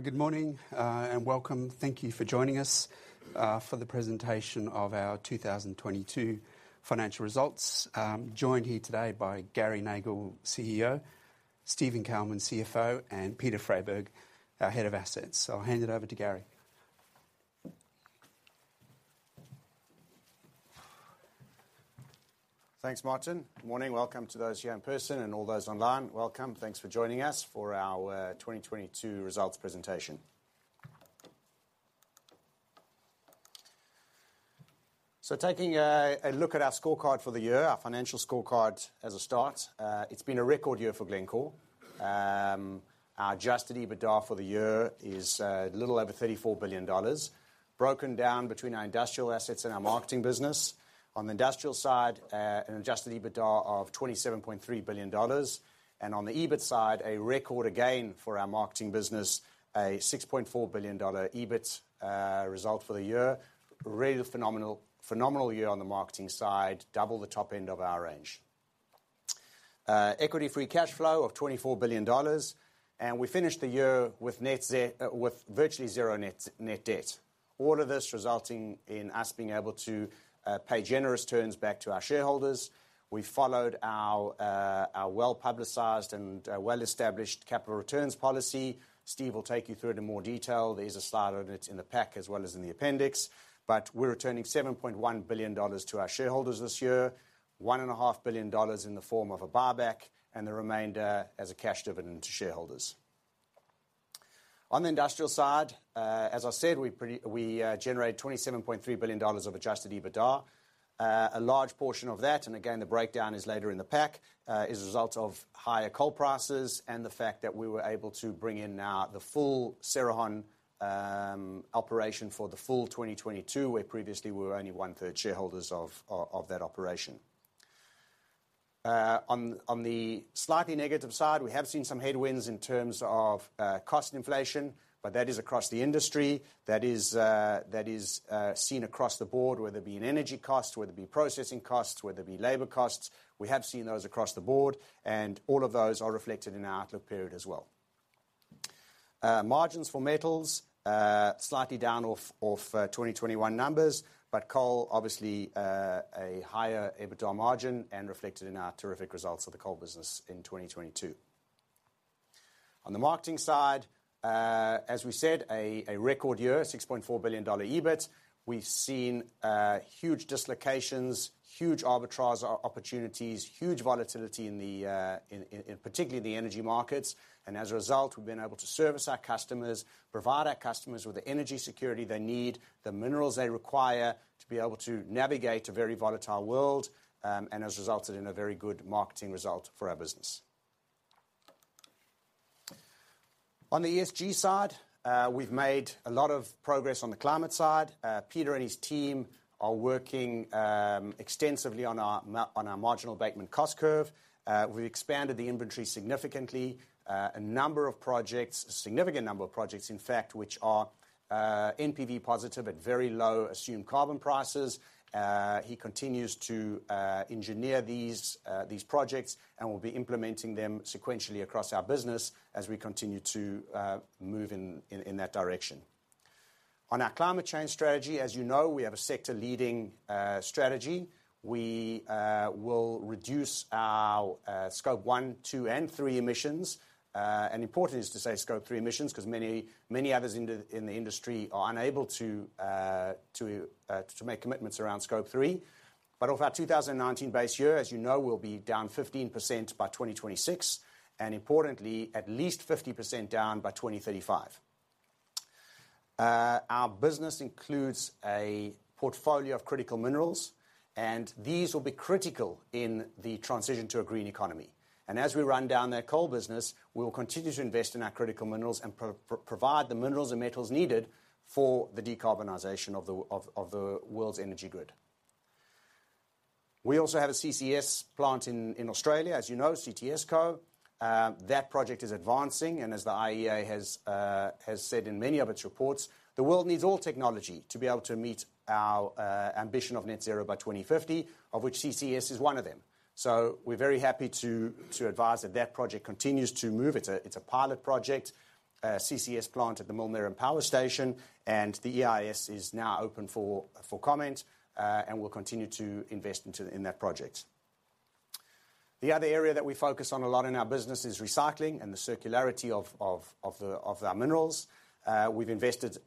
Good morning, and welcome. Thank you for joining us for the presentation of our 2022 financial results. Joined here today by Gary Nagle, CEO, Steven Kalmin, CFO, and Peter Freyberg, our Head of Assets. I'll hand it over to Gary. Thanks, Martin. Good morning. Welcome to those here in person and all those online. Welcome. Thanks for joining us for our 2022 results presentation. Taking a look at our scorecard for the year, our financial scorecard as a start, it's been a record year for Glencore. Our Adjusted EBITDA for the year is a little over $34 billion. Broken down between our Industrial assets and our Marketing business. On the Industrial side, an Adjusted EBITDA of $27.3 billion. On the EBIT side, a record again for our Marketing business, a $6.4 billion EBIT result for the year. Really phenomenal year on the Marketing side. Double the top end of our range. Equity free cash flow of $24 billion, we finished the year with virtually zero net debt. All of this resulting in us being able to pay generous returns back to our shareholders. We followed our well-publicized and well-established capital returns policy. Steve will take you through it in more detail. There is a slide on it in the pack as well as in the appendix. We're returning $7.1 billion to our shareholders this year. One and a half billion dollars in the form of a buyback, and the remainder as a cash dividend to shareholders. On the Industrial side, as I said, we generated $27.3 billion of Adjusted EBITDA. A large portion of that, and again, the breakdown is later in the pack, is a result of higher coal prices and the fact that we were able to bring in now the full Cerrejón operation for the full 2022, where previously we were only one-third shareholders of that operation. On the slightly negative side, we have seen some headwinds in terms of cost inflation, but that is across the industry. That is seen across the board, whether it be in energy costs, whether it be processing costs, whether it be labor costs. We have seen those across the board and all of those are reflected in our outlook period as well. Margins for metals slightly down off 2021 numbers, but coal obviously a higher EBITDA margin and reflected in our terrific results of the coal business in 2022. On the Marketing side, as we said, a record year, $6.4 billion EBIT. We've seen huge dislocations, huge arbitrage opportunities, huge volatility in particularly the energy markets. As a result, we've been able to service our customers, provide our customers with the energy security they need, the minerals they require to be able to navigate a very volatile world, and has resulted in a very good Marketing result for our business. On the ESG side, we've made a lot of progress on the climate side. Peter and his team are working extensively on our marginal abatement cost curve. We've expanded the inventory significantly. A number of projects, a significant number of projects, in fact, which are NPV positive at very low assumed carbon prices. He continues to engineer these projects, and we'll be implementing them sequentially across our business as we continue to move in that direction. On our climate change strategy, as you know, we have a sector leading strategy. We will reduce our Scope 1, 2, and 3 emissions. And important is to say Scope 3 emissions because many, many others in the industry are unable to make commitments around Scope 3. But of our 2019 base year, as you know, we'll be down 15% by 2026, and importantly, at least 50% down by 2035. Our business includes a portfolio of critical minerals, and these will be critical in the transition to a green economy. As we run down that coal business, we will continue to invest in our critical minerals and provide the minerals and metals needed for the decarbonization of the world's energy grid. We also have a CCS plant in Australia, as you know, CTSCo. That project is advancing, and as the IEA has said in many of its reports, the world needs all technology to be able to meet our ambition of net zero by 2050, of which CCS is one of them. We're very happy to advise that that project continues to move. It's a pilot project, a CCS plant at the Millmerran Power Station. The EIS is now open for comment, and we'll continue to invest in that project. The other area that we focus on a lot in our business is recycling and the circularity of our minerals. We've invested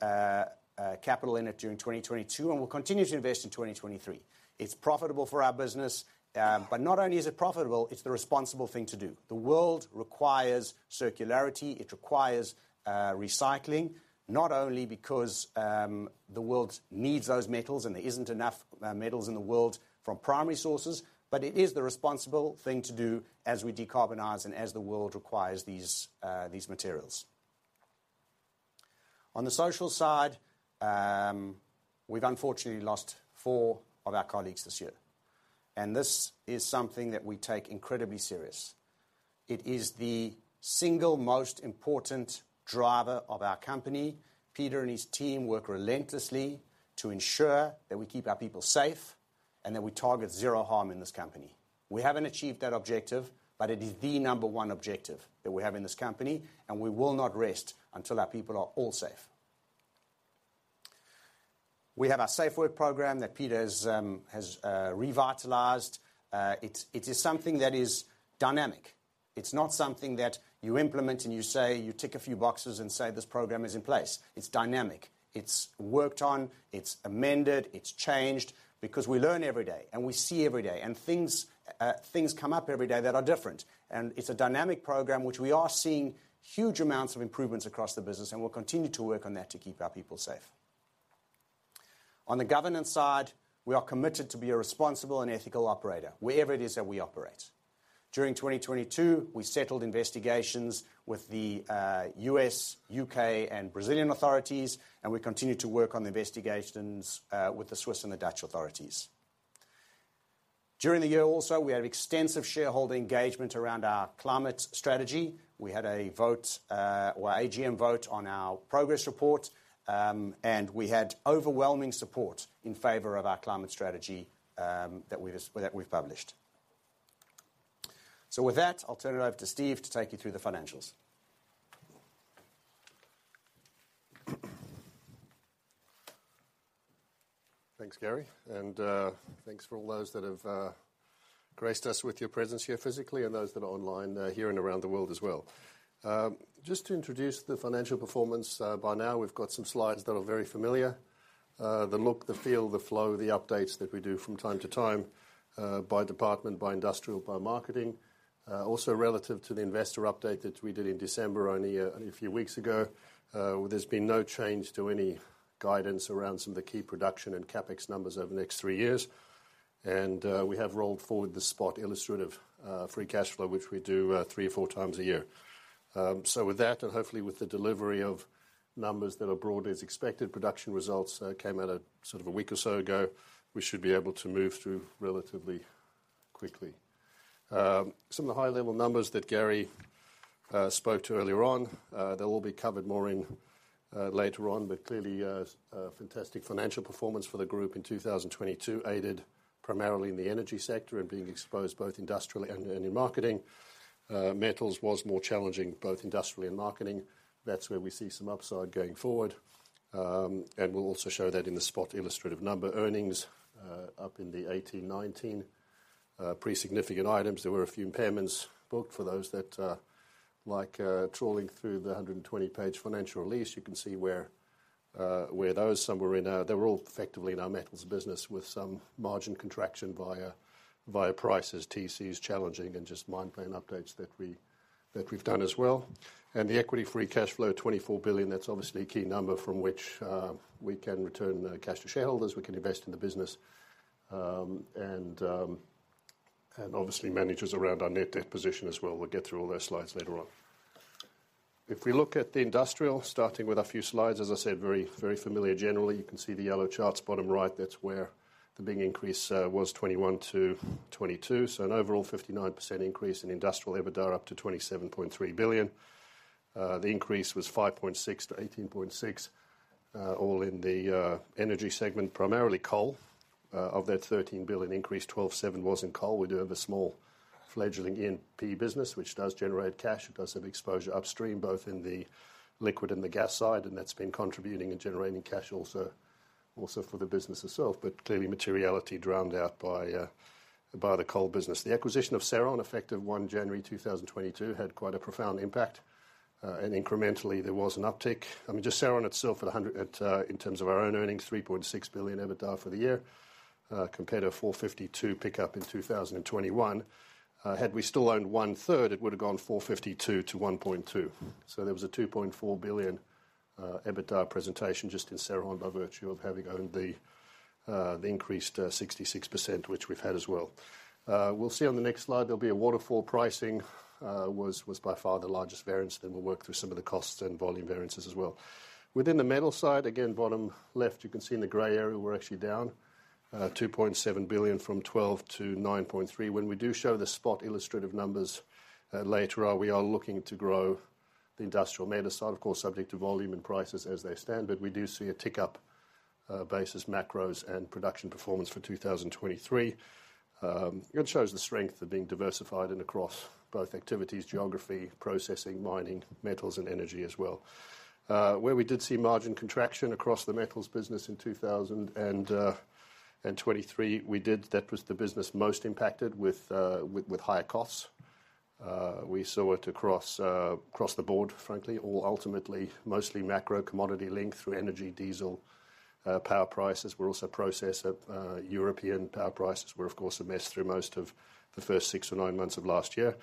capital in it during 2022, and we'll continue to invest in 2023. It's profitable for our business, not only is it profitable, it's the responsible thing to do. The world requires circularity. It requires recycling, not only because the world needs those metals and there isn't enough metals in the world from primary sources, but it is the responsible thing to do as we decarbonize and as the world requires these materials. On the social side, we've unfortunately lost four of our colleagues this year, and this is something that we take incredibly serious. It is the single most important driver of our company. Peter and his team work relentlessly to ensure that we keep our people safe. We target zero harm in this company. We haven't achieved that objective, but it is the number one objective that we have in this company, and we will not rest until our people are all safe. We have our SafeWork program that Peter has revitalized. It's, it is something that is dynamic. It's not something that you implement, and you tick a few boxes and say, "This program is in place." It's dynamic. It's worked on, it's amended, it's changed, because we learn every day, and we see every day, and things come up every day that are different. It's a dynamic program which we are seeing huge amounts of improvements across the business, and we'll continue to work on that to keep our people safe. On the governance side, we are committed to be a responsible and ethical operator, wherever it is that we operate. During 2022, we settled investigations with the U.S., U.K., and Brazilian authorities, and we continue to work on the investigations with the Swiss and the Dutch authorities. During the year also, we had extensive shareholder engagement around our climate strategy. We had a vote, or AGM vote on our progress report, and we had overwhelming support in favor of our climate strategy that we've published. With that, I'll turn it over to Steve to take you through the financials. Thanks, Gary, and thanks for all those that have graced us with your presence here physically and those that are online, here and around the world as well. Just to introduce the financial performance. By now we've got some slides that are very familiar. The look, the feel, the flow, the updates that we do from time to time, by department, by Industrial, by Marketing. Also relative to the investor update that we did in December, only a few weeks ago, there's been no change to any guidance around some of the key production and CapEx numbers over the next three years. We have rolled forward the spot illustrative free cash flow, which we do three or four times a year. With that, and hopefully with the delivery of numbers that are broadly as expected, production results came out at sort of a week or so ago, we should be able to move through relatively quickly. Some of the high-level numbers that Gary spoke to earlier on, they'll all be covered more in later on. Clearly, a fantastic financial performance for the group in 2022 aided primarily in the Energy sector and being exposed both Industrially and in your Marketing. Metals was more challenging, both Industrially and Marketing. That's where we see some upside going forward. We'll also show that in the spot illustrative number earnings, up in the 18, 19. Pretty significant items. There were a few impairments booked for those that like trawling through the 120-page financial release. You can see where those somewhere in. They were all effectively in our metals business with some margin contraction via prices, TC is challenging and just mine plan updates that we've done as well. The equity free cash flow of $24 billion, that's obviously a key number from which we can return the cash to shareholders. We can invest in the business. Obviously manages around our net debt position as well. We'll get through all those slides later on. If we look at the Industrial, starting with a few slides, as I said, very, very familiar. Generally, you can see the yellow charts bottom right. That's where the big increase was 2021 to 2022. An overall 59% increase in Industrial EBITDA up to $27.3 billion. The increase was $5.6 billion to $18.6 billion, all in the Energy segment, primarily coal. Of that $13 billion increase, $12.7 billion was in coal. We do have a small fledgling NP business, which does generate cash. It does have exposure upstream, both in the liquid and the gas side, and that's been contributing and generating cash also for the business itself, but clearly materiality drowned out by the coal business. The acquisition of Cerrejón, effective January 1, 2022, had quite a profound impact. And incrementally, there was an uptick. I mean, just Cerrejón itself at $100 million, at, in terms of our own earnings, $3.6 billion EBITDA for the year, compared to $452 million pickup in 2021. Had we still owned one-third, it would have gone $452 million to $1.2. There was a $2.4 billion EBITDA presentation just in Cerrejón by virtue of having owned the increased 66%, which we've had as well. We'll see on the next slide, there'll be a waterfall pricing was by far the largest variance. We'll work through some of the costs and volume variances as well. Within the metal side, again, bottom left, you can see in the gray area, we're actually down $2.7 billion from $12 billion to $9.3 billion. When we do show the spot illustrative numbers later on, we are looking to grow the Industrial metal side, of course, subject to volume and prices as they stand. We do see a tick-up, basis, macros and production performance for 2023. It shows the strength of being diversified and across both activities, geography, processing, mining, metals, and energy as well. Where we did see margin contraction across the metals business in 2023, we did. That was the business most impacted with higher costs. We saw it across the board, frankly, all ultimately mostly macro commodity link through energy diesel, power prices. We're also a processor. European power prices were of course a mess through most of the first six or nine months of last year.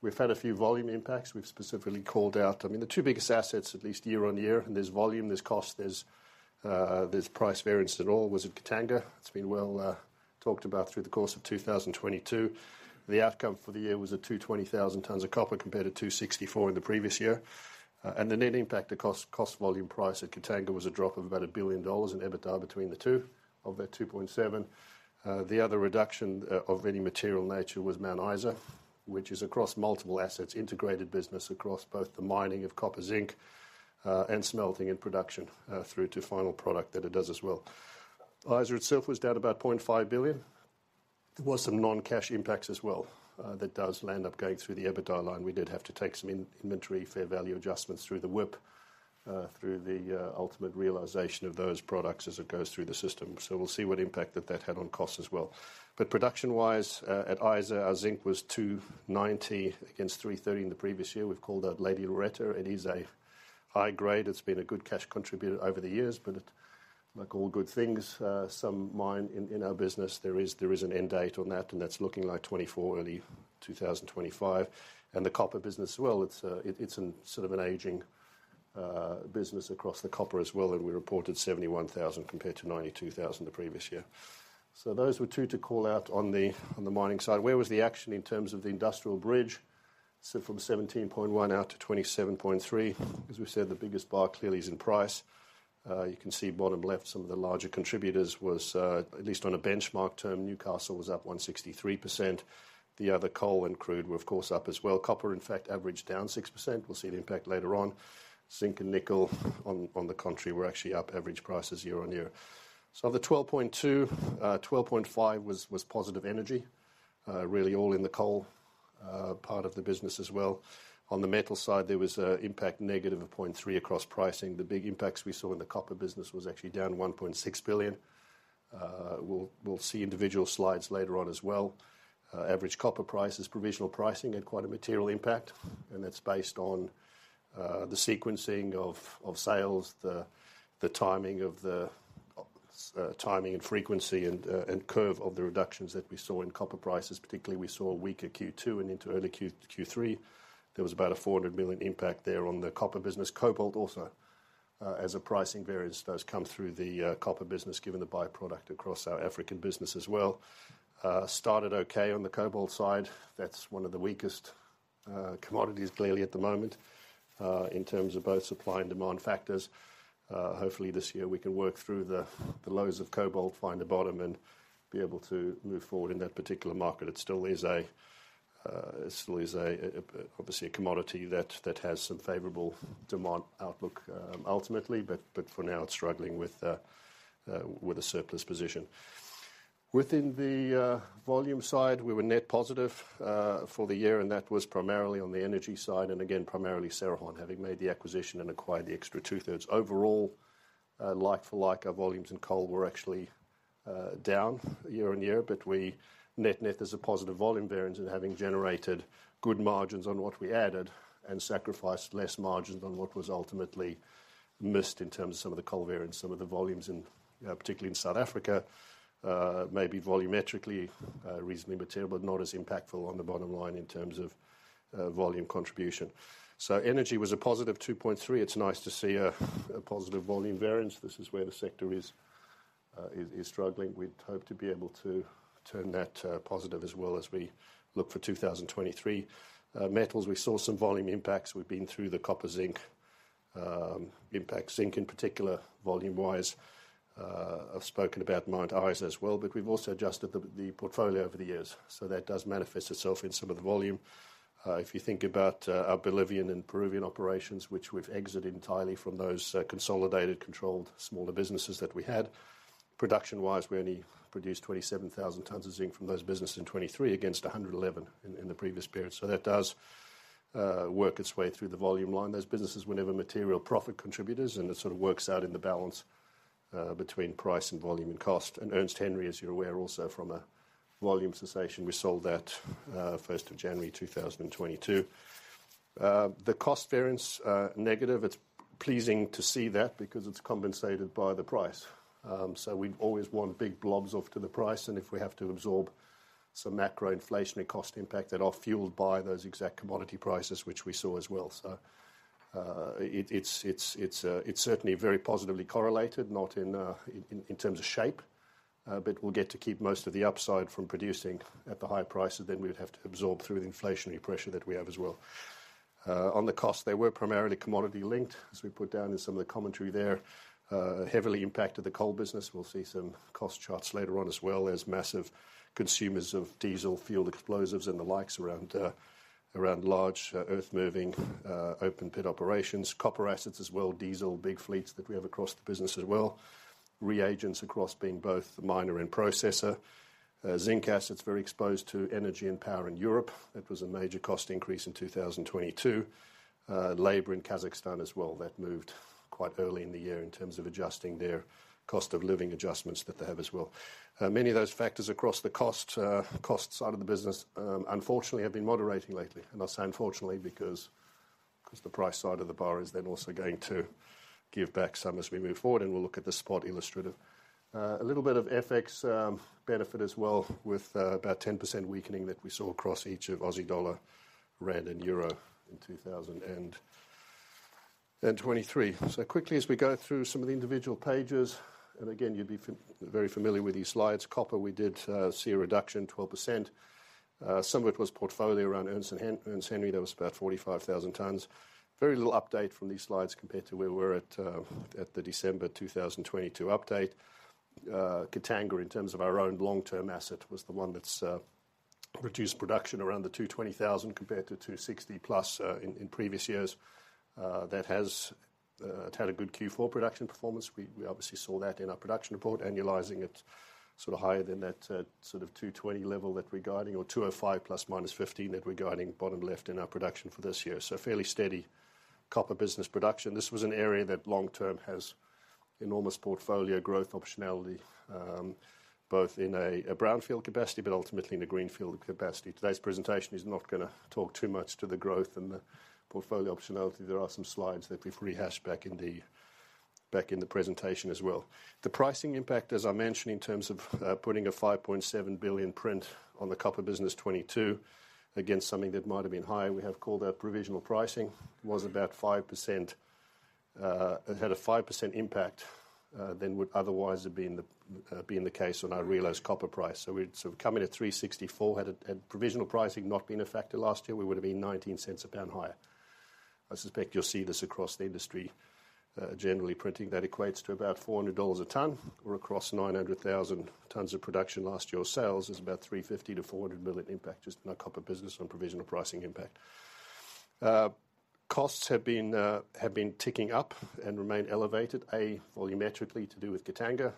We've had a few volume impacts. We've specifically called out. I mean, the two biggest assets, at least year-on-year, and there's volume, there's cost, there's price variance at all was at Katanga. It's been well talked about through the course of 2022. The outcome for the year was at 220,000 tons of copper compared to 264 in the previous year. The net impact, the cost volume price at Katanga was a drop of about $1 billion in EBITDA between the two of that $2.7 billion. The other reduction of any material nature was Mount Isa, which is across multiple assets, integrated business across both the mining of copper, zinc, and smelting and production through to final product that it does as well. Isa itself was down about $0.5 billion. There was some non-cash impacts as well, that does land up going through the EBITDA line. We did have to take some inventory fair value adjustments through the whip, through the ultimate realization of those products as it goes through the system. We'll see what impact that had on costs as well. Production-wise, at Isa, our zinc was 290 against 330 in the previous year. We've called out Lady Loretta. It is a high grade. It's been a good cash contributor over the years. Like all good things, some mine in our business, there is an end date on that, and that's looking like 2024, early 2025. The copper business as well, it's a sort of an aging business across the copper as well. We reported 71,000 compared to 92,000 the previous year. Those were two to call out on the mining side. Where was the action in terms of the Industrial bridge? From 17.1 out to 27.3. As we said, the biggest bar clearly is in price. You can see bottom left, some of the larger contributors was at least on a benchmark term. Newcastle was up 163%. The other coal and crude were of course up as well. Copper, in fact, averaged down 6%. We'll see the impact later on. Zinc and nickel on the contrary were actually up average prices year-on-year. The 12.2, 12.5 was positive energy, really all in the coal part of the business as well. On the metal side, there was a impact negative of $0.3 across pricing. The big impacts we saw in the copper business was actually down $1.6 billion. We'll see individual slides later on as well. Average copper prices, provisional pricing had quite a material impact, and that's based on the sequencing of sales, the timing of the timing and frequency and curve of the reductions that we saw in copper prices. Particularly, we saw a weaker Q2 and into early Q3. There was about a $400 million impact there on the copper business. Cobalt also, as a pricing variance does come through the copper business, given the byproduct across our African business as well. Started okay on the cobalt side. That's one of the weakest commodities clearly at the moment, in terms of both supply and demand factors. Hopefully this year we can work through the lows of cobalt, find the bottom and be able to move forward in that particular market. It still is a, obviously a commodity that has some favorable demand outlook ultimately, but for now, it's struggling with a surplus position. Within the volume side, we were net positive for the year, that was primarily on the energy side, and again, primarily Cerrejón having made the acquisition and acquired the extra two-thirds. Overall, like-for-like, our volumes in coal were actually down year-on-year, but we net-net as a positive volume variance and having generated good margins on what we added and sacrificed less margin than what was ultimately missed in terms of some of the coal variance. Some of the volumes in, particularly in South Africa, may be volumetrically reasonably material, but not as impactful on the bottom line in terms of volume contribution. Energy was a positive 2.3. It's nice to see a positive volume variance. This is where the sector is struggling. We'd hope to be able to turn that positive as well as we look for 2023. Metals, we saw some volume impacts. We've been through the copper zinc impact. Zinc in particular volume-wise, I've spoken about Mount Isa as well, but we've also adjusted the portfolio over the years. That does manifest itself in some of the volume. If you think about our Bolivian and Peruvian operations, which we've exited entirely from those consolidated, controlled, smaller businesses that we had. Production-wise, we only produced 27,000 tons of zinc from those businesses in 2023 against 111 in the previous period. Those businesses were never material profit contributors, and it sort of works out in the balance between price and volume and cost. Ernest Henry, as you're aware, also from a volume cessation, we sold that January 1st, 2022. The cost variance negative. It's pleasing to see that because it's compensated by the price. We've always won big blobs off to the price, and if we have to absorb some macro inflationary cost impact that are fueled by those exact commodity prices, which we saw as well. It's certainly very positively correlated, not in terms of shape, but we'll get to keep most of the upside from producing at the high prices than we would have to absorb through the inflationary pressure that we have as well. On the cost, they were primarily commodity linked, as we put down in some of the commentary there. Heavily impacted the coal business. We'll see some cost charts later on as well. There's massive consumers of diesel fuel explosives and the likes around large, earth moving, open pit operations. Copper assets as well. Diesel, big fleets that we have across the business as well. Reagents across being both miner and processor. Zinc assets, very exposed to energy and power in Europe. That was a major cost increase in 2022. Labor in Kazakhstan as well that moved quite early in the year in terms of adjusting their cost of living adjustments that they have as well. Many of those factors across the cost side of the business, unfortunately, have been moderating lately. I say unfortunately because, the price side of the bar is then also going to give back some as we move forward, and we'll look at the spot illustrative. A little bit of FX benefit as well with about 10% weakening that we saw across each of Aussie dollar, rand, and euro in 2023. Quickly as we go through some of the individual pages, and again, you'd be very familiar with these slides. Copper, we did see a reduction 12%. Some of it was portfolio around Ernest Henry. That was about 45,000 tons. Very little update from these slides compared to where we were at at the December 2022 update. Katanga, in terms of our own long-term asset, was the one that's reduce production around the 220,000 compared to 260+ in previous years that has had a good Q4 production performance. We obviously saw that in our production report, annualizing it sort of higher than that, sort of 220 level that we're guiding or 205 ±15 that we're guiding bottom left in our production for this year. Fairly steady copper business production. This was an area that long term has enormous portfolio growth optionality, both in a brownfield capacity but ultimately in a greenfield capacity. Today's presentation is not gonna talk too much to the growth and the portfolio optionality. There are some slides that we've rehashed back in the presentation as well. The pricing impact, as I mentioned, in terms of putting a $5.7 billion print on the copper business 2022 against something that might have been higher, we have called our provisional pricing was about 5%. it had a 5% impact than would otherwise have been the case on our realized copper price. We'd sort of come in at $3.64. Had provisional pricing not been a factor last year, we would've been 19 cents a pound higher. I suspect you'll see this across the industry generally printing. That equates to about $400 a ton or across 900,000 tons of production last year. Sales is about $350 million-$400 million impact just in our copper business on provisional pricing impact. Costs have been ticking up and remain elevated, A, volumetrically to do with Katanga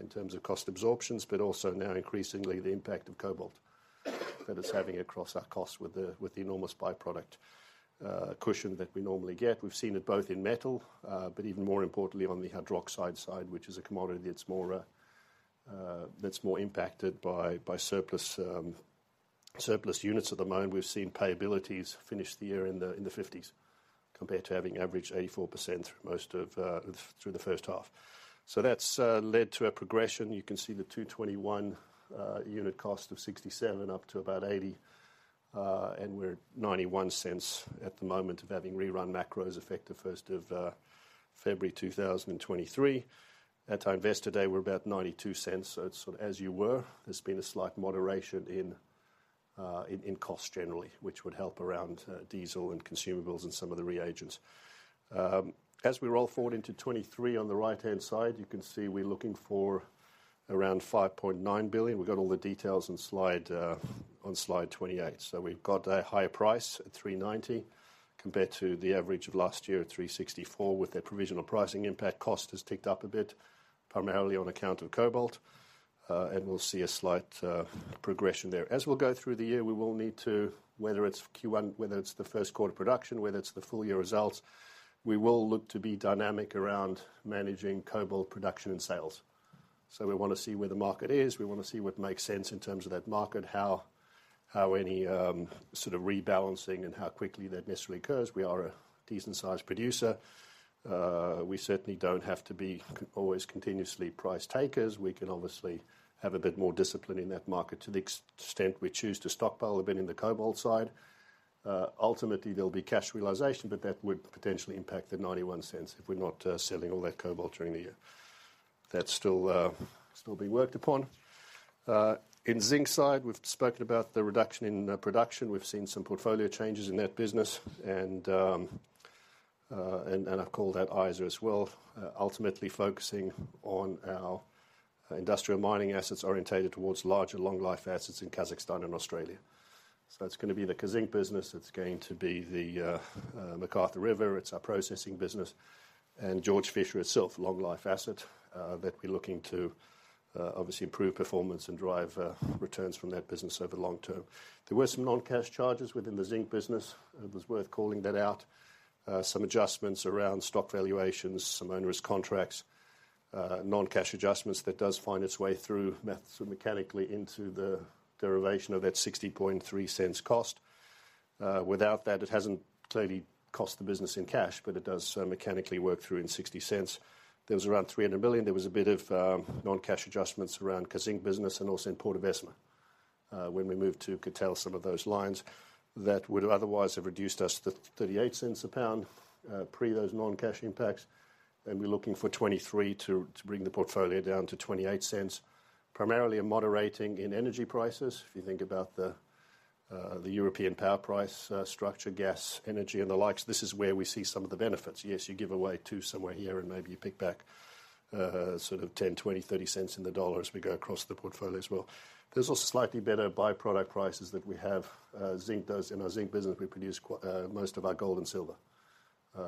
in terms of cost absorptions, but also now increasingly the impact of cobalt that it's having across our costs with the enormous by-product cushion that we normally get. We've seen it both in metal, but even more importantly on the hydroxide side, which is a commodity that's more, that's more impacted by surplus units at the moment. We've seen payabilities finish the year in the 50s compared to having averaged 84% most of through the first half. That's led to a progression. You can see the 221 unit cost of $0.67 up to about $0.80, and we're at $0.91 at the moment of having rerun macros effective first of February 2023. At our Investor Day, we're about $0.92, so it's sort of as you were. There's been a slight moderation in cost generally, which would help around diesel and consumables and some of the reagents. As we roll forward into 2023, on the right-hand side, you can see we're looking for around $5.9 billion. We've got all the details on slide 28. We've got a higher price at 390 compared to the average of last year at 364 with that provisional pricing impact. Cost has ticked up a bit, primarily on account of cobalt, and we'll see a slight progression there. As we'll go through the year, we will need to, whether it's Q1, whether it's the first quarter production, whether it's the full year results, we will look to be dynamic around managing cobalt production and sales. We wanna see where the market is. We wanna see what makes sense in terms of that market, how any sort of rebalancing and how quickly that necessarily occurs. We are a decent-sized producer. We certainly don't have to be always continuously price takers. We can obviously have a bit more discipline in that market to the extent we choose to stockpile a bit in the cobalt side. Ultimately, there'll be cash realization, but that would potentially impact the $0.91 if we're not selling all that cobalt during the year. That's still being worked upon. In zinc side, we've spoken about the reduction in production. We've seen some portfolio changes in that business and I've called that Isa as well, ultimately focusing on our Industrial mining assets oriented towards larger long-life assets in Kazakhstan and Australia. That's gonna be the Kazzinc business. It's going to be the McArthur River. It's our processing business. George Fisher itself, long-life asset, that we're looking to obviously improve performance and drive returns from that business over the long term. There were some non-cash charges within the zinc business. It was worth calling that out. Some adjustments around stock valuations, some onerous contracts, non-cash adjustments that does find its way through mechanically into the derivation of that $0.603 cost. Without that, it hasn't clearly cost the business in cash, but it does mechanically work through in $0.60. There was around $300 million. There was a bit of non-cash adjustments around Kazzinc business and also in Portovesme, when we moved to Katanga, some of those lines that would otherwise have reduced us $0.38 a pound, pre those non-cash impacts. We're looking for 2023 to bring the portfolio down to $0.28, primarily a moderating in energy prices. If you think about the European power price structure, gas, energy, and the likes, this is where we see some of the benefits. Yes, you give away to somewhere here and maybe you pick back sort of $0.10, $0.20, $0.30 in the dollar as we go across the portfolio as well. There's also slightly better by-product prices that we have. In our zinc business, we produce most of our gold and silver.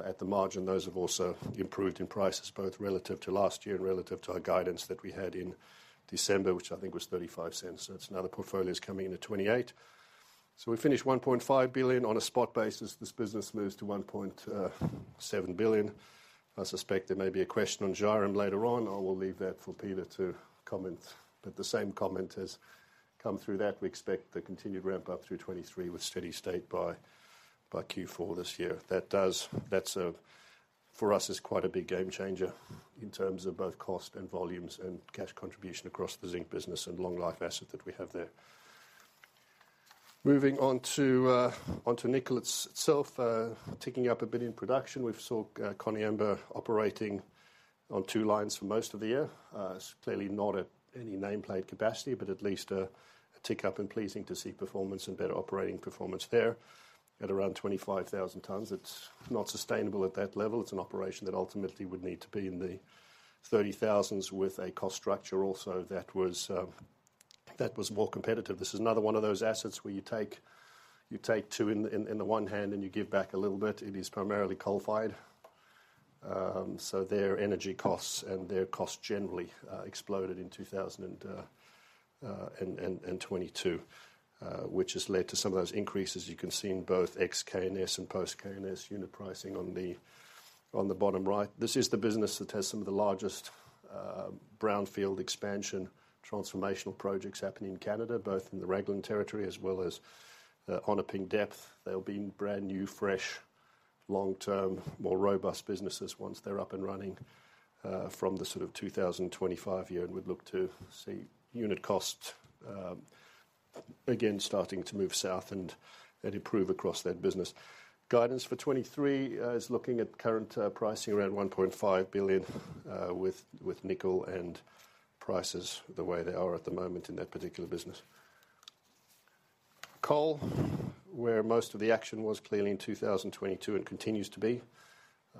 At the margin, those have also improved in prices both relative to last year and relative to our guidance that we had in December, which I think was $0.35. That's another portfolio's coming in at $0.28. We finished $1.5 billion on a spot basis. This business moves to $1.7 billion. I suspect there may be a question on Zhairem later on. I will leave that for Peter to comment. The same comment has come through that we expect the continued ramp up through 2023 with steady state by Q4 this year. That's for us, is quite a big game changer in terms of both cost and volumes and cash contribution across the zinc business and long-life asset that we have there. Moving on to on to nickel itself, ticking up a bit in production. We saw Koniambo operating on two lines for most of the year. It's clearly not at any nameplate capacity, but at least a tick up and pleasing to see performance and better operating performance there at around 25,000 tons. It's not sustainable at that level. It's an operation that ultimately would need to be in the 30,000s with a cost structure also that was more competitive. This is another one of those assets where you take, you take two in the one hand and you give back a little bit. It is primarily coal-fired. Their energy costs and their costs generally exploded in 2022, which has led to some of those increases you can see in both ex-KNS and post-KNS unit pricing on the bottom right. This is the business that has some of the largest brownfield expansion, transformational projects happening in Canada, both in the Raglan territory as well as Onaping Depth. They'll be brand new, fresh, long-term, more robust businesses once they're up and running from the sort of 2025 year. We'd look to see unit cost again, starting to move south and improve across that business. Guidance for 2023 is looking at current pricing around $1.5 billion with nickel and prices the way they are at the moment in that particular business. Coal, where most of the action was clearly in 2022 and continues to be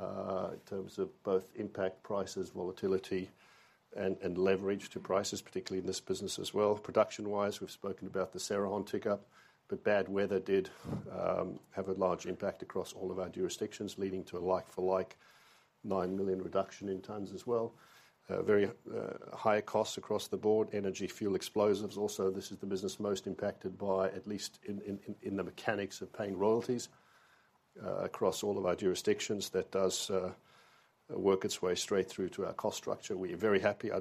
in terms of both impact prices, volatility and leverage to prices, particularly in this business as well. Production-wise, we've spoken about the Cerrejón tick-up, Bad weather did have a large impact across all of our jurisdictions, leading to a like-for-like 9 million reduction in tons as well. Very higher costs across the board, energy, fuel, explosives. This is the business most impacted by, at least in the mechanics of paying royalties, across all of our jurisdictions. That does work its way straight through to our cost structure. I'd be very happy to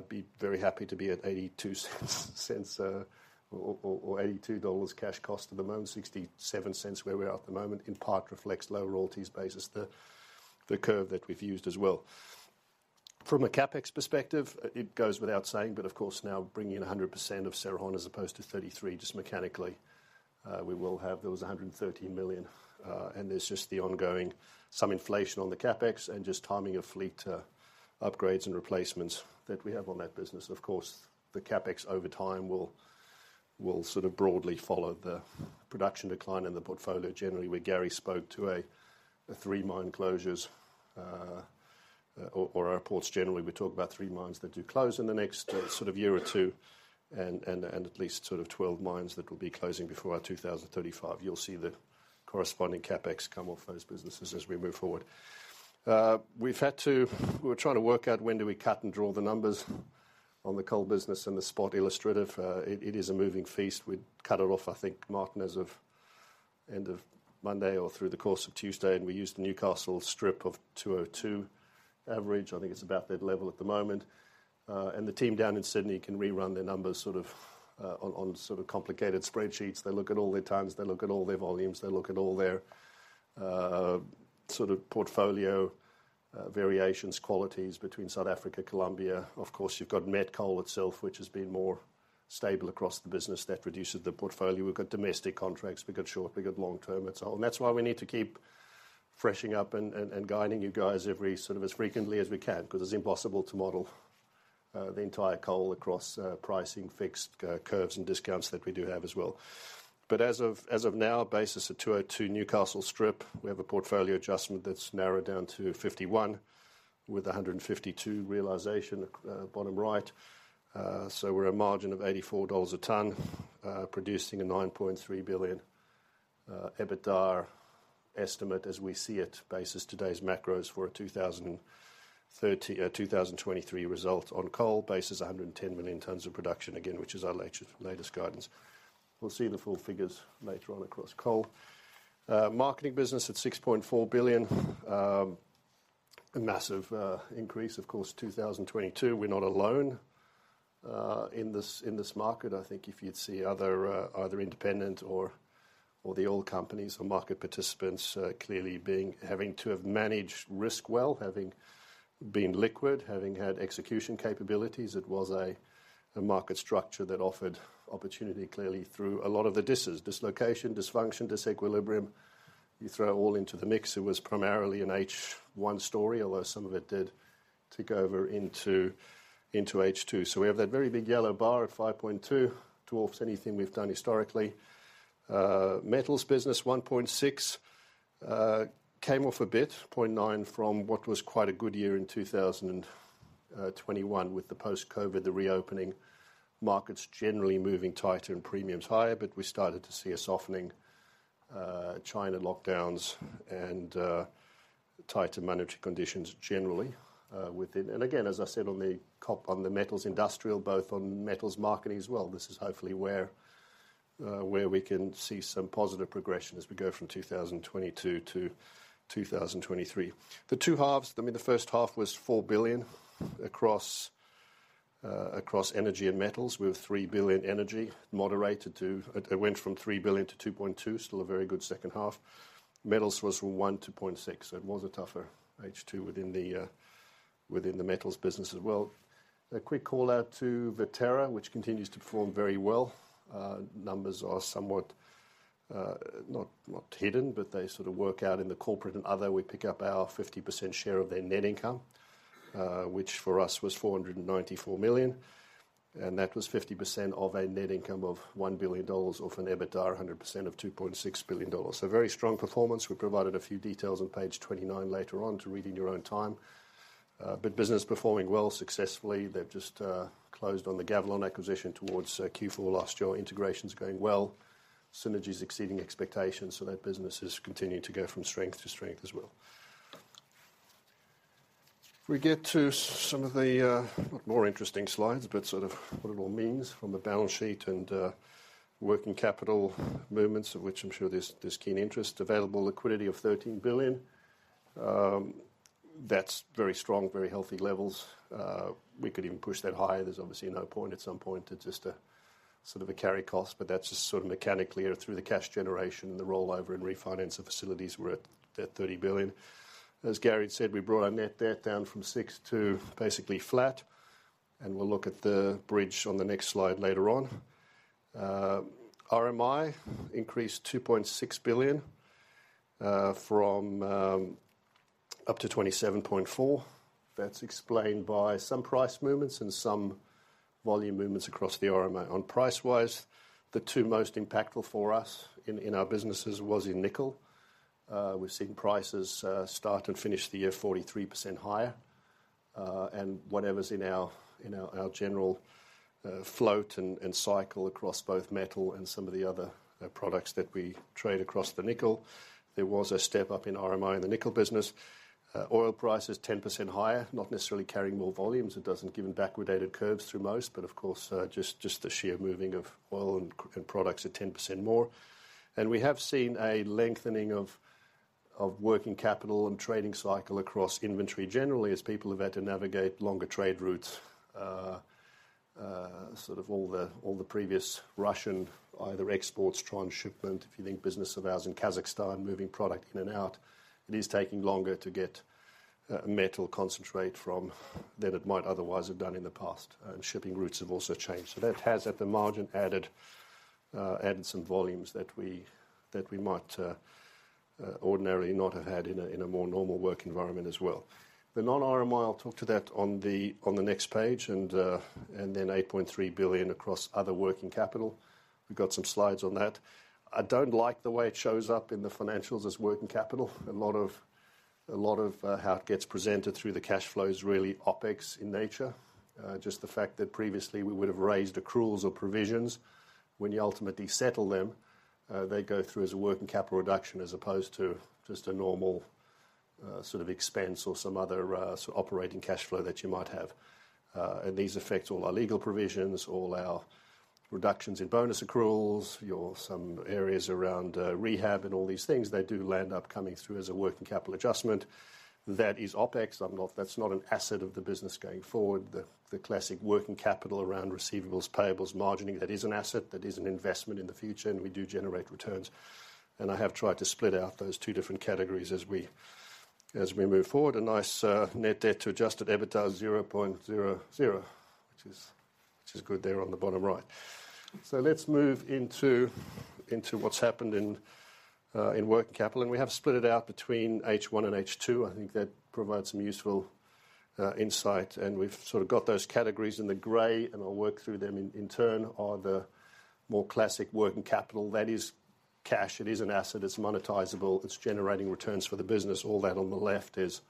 be at $0.82 since or $82 cash cost at the moment. $0.67 where we are at the moment, in part reflects lower royalties basis, the curve that we've used as well. From a CapEx perspective, it goes without saying, but of course now bringing in 100% of Cerrejón as opposed to 33, just mechanically, there was $130 million. There's just the ongoing some inflation on the CapEx and just timing of fleet upgrades and replacements that we have on that business. Of course, the CapEx over time will sort of broadly follow the production decline in the portfolio. Generally, where Gary spoke to the three mine closures or our reports generally, we talk about three mines that do close in the next year or two and at least 12 mines that will be closing before our 2035. You'll see the corresponding CapEx come off those businesses as we move forward. We're trying to work out when do we cut and draw the numbers on the coal business and the spot illustrative. It is a moving feast. We'd cut it off, I think, Martin, as of end of Monday or through the course of Tuesday, and we use the Newcastle strip of 202 average. I think it's about that level at the moment. The team down in Sydney can rerun the numbers sort of on sort of complicated spreadsheets. They look at all their tons, they look at all their volumes, they look at all their sort of portfolio variations, qualities between South Africa, Colombia. Of course, you've got met coal itself, which has been more stable across the business. That reduces the portfolio. We've got domestic contracts, we've got short, we've got long-term et al. That's why we need to keep freshening up and guiding you guys sort of as frequently as we can, because it's impossible to model the entire coal across pricing, fixed curves and discounts that we do have as well. As of now, basis of 202 Newcastle strip, we have a portfolio adjustment that's narrowed down to 51, with a 152 realization, bottom right. We're a margin of $84 a ton, producing a $9.3 billion EBITDA estimate as we see it, basis today's macros for a 2023 result on coal basis, 110 million tons of production again, which is our latest guidance. We'll see the full figures later on across coal. Marketing business at $6.4 billion. A massive increase, of course, 2022. We're not alone in this, in this market. I think if you'd see other independent or the oil companies or market participants, clearly having to have managed risk well, having been liquid, having had execution capabilities, it was a market structure that offered opportunity clearly through a lot of the dises: dislocation, dysfunction, disequilibrium. You throw it all into the mix. It was primarily an H1 story, although some of it did tick over into H2. We have that very big yellow bar at $5.2, dwarfs anything we've done historically. Metals business, $1.6 came off a bit, $1.9, from what was quite a good year in 2021 with the post-COVID, the reopening. Markets generally moving tighter and premiums higher, but we started to see a softening, China lockdowns and tighter monetary conditions generally, within. Again, as I said, on the metals Industrial, both on metals Marketing as well, this is hopefully where we can see some positive progression as we go from 2022 to 2023. The two halves, I mean, the first half was $4 billion across energy and metals. We have $3 billion energy moderated to. It went from $3 billion to $2.2 billion, still a very good second half. Metals was from 1 to 0.6, so it was a tougher H2 within the metals business as well. A quick call-out to Viterra, which continues to perform very well. Numbers are somewhat not hidden, but they sort of work out in the corporate and other. We pick up our 50% share of their net income, which for us was $494 million. That was 50% of a net income of $1 billion off an EBITDA 100% of $2.6 billion. Very strong performance. We provided a few details on page 29 later on to read in your own time. Business performing well successfully. They've just closed on the Gavilon acquisition towards Q4 last year. Integration's going well. Synergy is exceeding expectations, so that business has continued to go from strength to strength as well. We get to some of the more interesting slides, but sort of what it all means from the balance sheet and working capital movements of which I'm sure there's keen interest. Available liquidity of $13 billion. That's very strong, very healthy levels. We could even push that higher. There's obviously no point at some point. It's just a sort of a carry cost, but that's just sort of mechanically or through the cash generation and the rollover and refinance of facilities were at $30 billion. As Gary said, we brought our net debt down from $6 billion to basically flat, and we'll look at the bridge on the next slide later on. RMI increased $2.6 billion from up to $27.4 billion. That's explained by some price movements and some volume movements across the RMI. On price-wise, the two most impactful for us in our businesses was in nickel. We've seen prices start and finish the year 43% higher. Whatever's in our general float and cycle across both metal and some of the other products that we trade across the nickel. There was a step up in RMI in the nickel business. Oil price is 10% higher, not necessarily carrying more volumes. It doesn't give backward dated curves through most, but of course, just the sheer moving of oil and products at 10% more. We have seen a lengthening of working capital and trading cycle across inventory. Generally, as people who've had to navigate longer trade routes sort of all the previous Russian either exports, transshipment, if you think business of ours in Kazakhstan, moving product in and out, it is taking longer to get metal concentrate from than it might otherwise have done in the past. Shipping routes have also changed. That has, at the margin, added some volumes that we might ordinarily not have had in a more normal work environment as well. The non-RMI, I'll talk to that on the next page, and then $8.3 billion across other working capital. We've got some slides on that. I don't like the way it shows up in the financials as working capital. A lot of how it gets presented through the cash flow is really OpEx in nature. Just a fact that previously we would have raised accruals or provisions. When you ultimately settle them, they go through as a working capital reduction as opposed to just a normal sort of expense or some other sort of operating cash flow that you might have. These affect all our legal provisions, all our reductions in bonus accruals, some areas around rehab and all these things. They do land up coming through as a working capital adjustment. That is OpEx. That's not an asset of the business going forward. The classic working capital around receivables, payables, margining, that is an asset, that is an investment in the future, and we do generate returns. I have tried to split out those two different categories as we move forward a nice net debt to Adjusted EBITDA of 0.00, which is good there on the bottom right. Let's move into what's happened in working capital. We have split it out between H1 and H2. I think that provides some useful insight. We've sort of got those categories in the gray, and I'll work through them in turn, are the more classic working capital. That is cash. It is an asset, it's monetizable, it's generating returns for the business. All that on the left is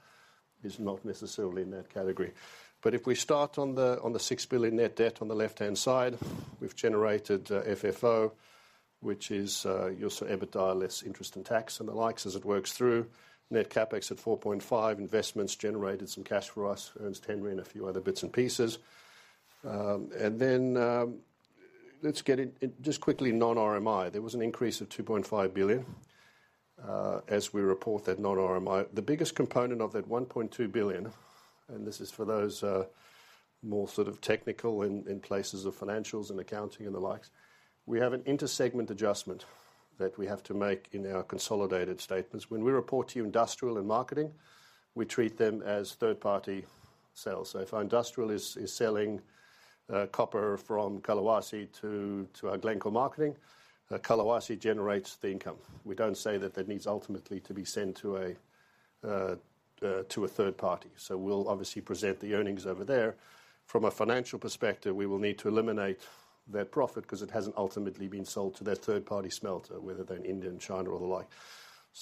not necessarily in that category. If we start on the $6 billion net debt on the left-hand side, we've generated FFO, which is your sort of EBITDA less interest in tax and the likes as it works through. Net CapEx at $4.5, investments generated some cash for us, 10 and a few other bits and pieces. Let's get Just quickly, non-RMI. There was an increase of $2.5 billion as we report that non-RMI. The biggest component of that $1.2 billion, and this is for those more sort of technical in places of financials and accounting and the likes. We have an inter-segment adjustment that we have to make in our consolidated statements. When we report to Industrial and Marketing, we treat them as third-party sales. If our Industrial is selling copper from Kolwezi to our Glencore Marketing, Kolwezi generates the income. We don't say that that needs ultimately to be sent to a third party. We'll obviously present the earnings over there. From a financial perspective, we will need to eliminate that profit 'cause it hasn't ultimately been sold to that third-party smelter, whether they're in India and China or the like.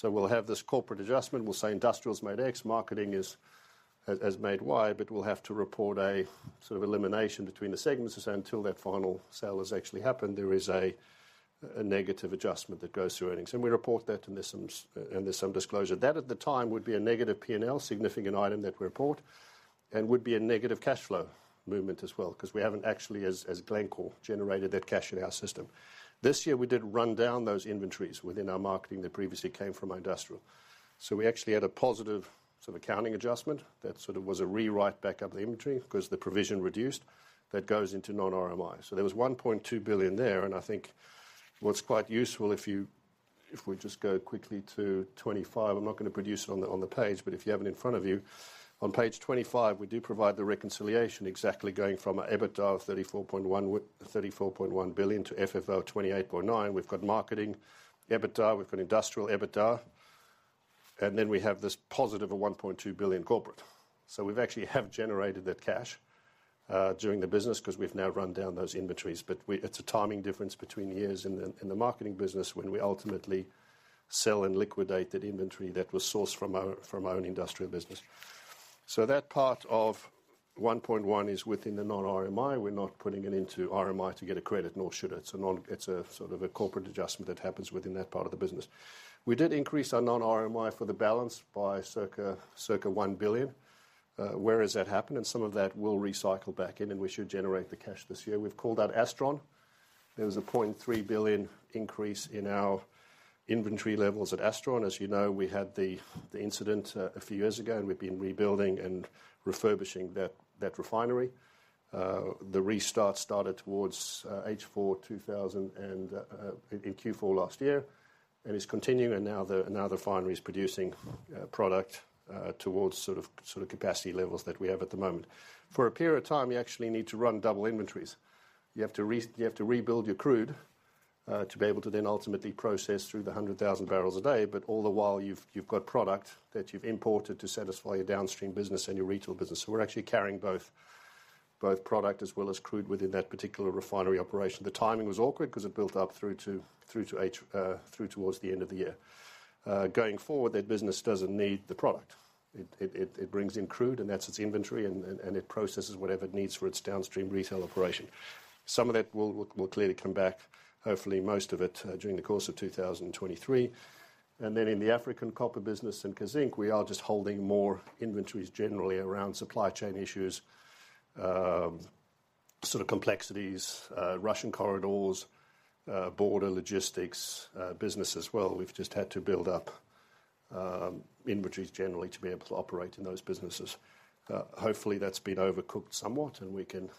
We'll have this corporate adjustment. We'll say Industrial's made X, Marketing has made Y, but we'll have to report a sort of elimination between the segments to say until that final sale has actually happened, there is a negative adjustment that goes through earnings. We report that, and there's some disclosure. That at the time would be a negative P&L, significant item that we report and would be a negative cash flow movement as well because we haven't actually as Glencore, generated that cash in our system. This year, we did run down those inventories within our Marketing that previously came from Industrial. We actually had a positive sort of accounting adjustment that sort of was a rewrite back up the inventory because the provision reduced. That goes into non-RMI. There was $1.2 billion there, and I think what's quite useful if we just go quickly to 25. I'm not going to produce it on the page, but if you have it in front of you, on page 25, we do provide the reconciliation exactly going from a EBITDA of 34.1 with $34.1 billion to FFO of 28.9. We've got Marketing EBITDA, we've got Industrial EBITDA. We have this positive of $1.2 billion corporate. We've actually have generated that cash during the business because we've now run down those inventories. We. It's a timing difference between years in the Marketing business when we ultimately sell and liquidate that inventory that was sourced from our, from our own Industrial business. That part of $1.1 is within the non-RMI. We're not putting it into RMI to get a credit, nor should it. It's a sort of a corporate adjustment that happens within that part of the business. We did increase our non-RMI for the balance by circa $1 billion. Where has that happened? Some of that will recycle back in, and we should generate the cash this year. We've called out Astron. There was a $0.3 billion increase in our inventory levels at Astron. As you know, we had the incident a few years ago, and we've been rebuilding and refurbishing that refinery. The restart started towards H4, 2,000 and in Q4 last year and is continuing. Now the refinery is producing product towards sort of capacity levels that we have at the moment. For a period of time, you actually need to run double inventories. You have to rebuild your crude to be able to then ultimately process through the 100,000 barrels a day. All the while you've got product that you've imported to satisfy your downstream business and your retail business. We're actually carrying both product as well as crude within that particular refinery operation. The timing was awkward because it built up through to H through towards the end of the year. Going forward, that business doesn't need the product. It brings in crude and that's its inventory and it processes whatever it needs for its downstream retail operation. Some of that will clearly come back, hopefully most of it, during the course of 2023. In the African copper business and Kazzinc, we are just holding more inventories generally around supply chain issues, sort of complexities, Russian corridors, border logistics, business as well. We've just had to build up inventories generally to be able to operate in those businesses. Hopefully, that's been overcooked somewhat and we can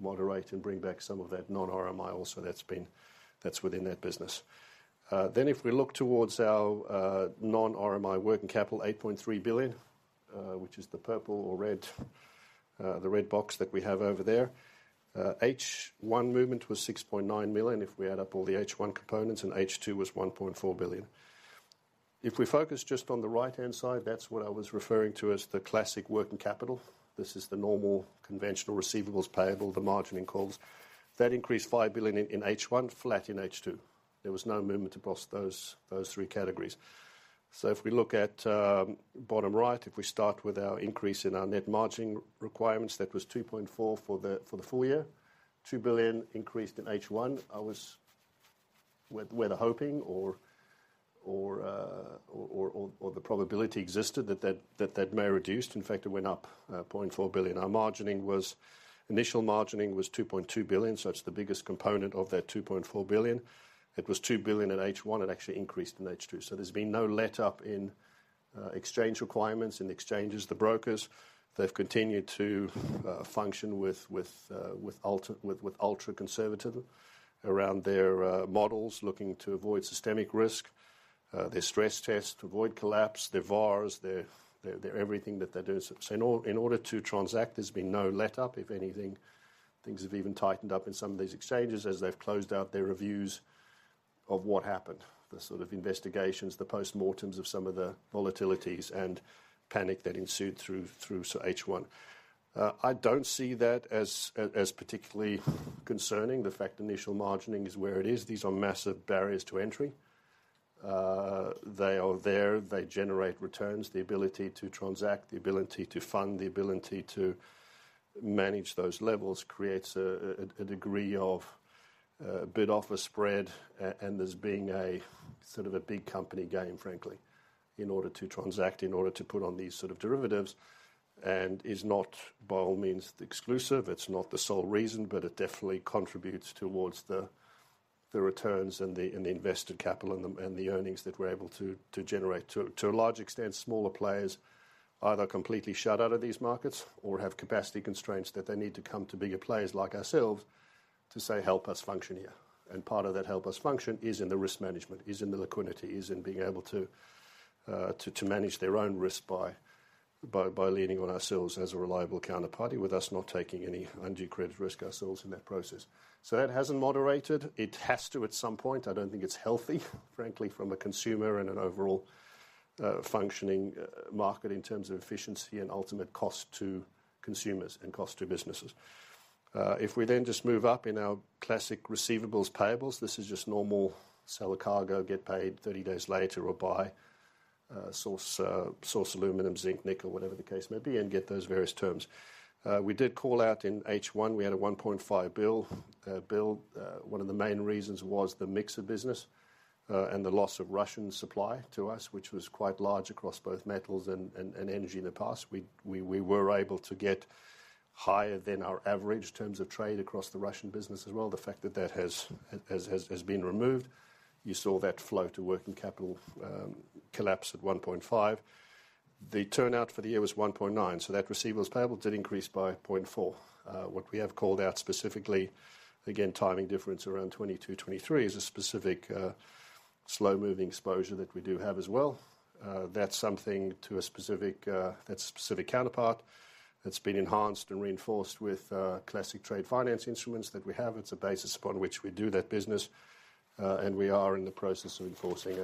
moderate and bring back some of that non-RMI also that's within that business. If we look towards our non-RMI working capital, $8.3 billion, which is the purple or red, the red box that we have over there. H1 movement was $6.9 billion, if we add up all the H1 components. H2 was $1.4 billion. If we focus just on the right-hand side, that's what I was referring to as the classic working capital. This is the normal conventional receivables payable, the margining calls. That increased $5 billion in H1, flat in H2. There was no movement across those three categories. If we look at bottom right, if we start with our increase in our net margining requirements, that was $2.4 billion for the full year. $2 billion increased in H1. I was hoping or the probability existed that that may reduce. In fact, it went up $0.4 billion. Initial margining was $2.2 billion, so that's the biggest component of that $2.4 billion. It was $2 billion in H1. It actually increased in H2. There's been no letup in exchange requirements. In the exchanges, the brokers, they've continued to function with ultra conservative around their models, looking to avoid systemic risk, their stress test to avoid collapse, their VARs, their everything that they're doing. In order to transact, there's been no letup. If anything, things have even tightened up in some of these exchanges as they've closed out their reviews of what happened. The sort of investigations, the postmortems of some of the volatilities and panic that ensued through H1. I don't see that as particularly concerning. The fact initial margining is where it is. These are massive barriers to entry. They are there. They generate returns. The ability to transact, the ability to fund, the ability to manage those levels creates a degree of bid-offer spread and there's being a sort of a big company game, frankly, in order to transact, in order to put on these sort of derivatives, and is not, by all means, exclusive. It's not the sole reason, but it definitely contributes towards the returns and the invested capital and the earnings that we're able to generate. To a large extent, smaller players either completely shut out of these markets or have capacity constraints that they need to come to bigger players like ourselves to say, "Help us function here." Part of that help us function is in the risk management, is in the liquidity, is in being able to manage their own risk by leaning on ourselves as a reliable counterparty, with us not taking any undue credit risk ourselves in that process. That hasn't moderated. It has to at some point. I don't think it's healthy, frankly, from a consumer and an overall functioning market in terms of efficiency and ultimate cost to consumers and cost to businesses. If we then just move up in our classic receivables, payables. This is just normal sell a cargo, get paid 30 days later, or buy, source aluminum, zinc, nickel, whatever the case may be, and get those various terms. We did call out in H1, we had a $1.5 billion. One of the main reasons was the mix of business, and the loss of Russian supply to us, which was quite large across both metals and energy in the past. We were able to get higher than our average terms of trade across the Russian business as well. The fact that that has been removed, you saw that flow to working capital collapse at $1.5 billion. The turnout for the year was $1.9 billion, so that receivables payable did increase by $0.4 billion. What we have called out specifically, again, timing difference around 2022, 2023 is a specific slow-moving exposure that we do have as well. That's something to a specific, that specific counterpart that's been enhanced and reinforced with classic trade finance instruments that we have. It's a basis upon which we do that business, we are in the process of enforcing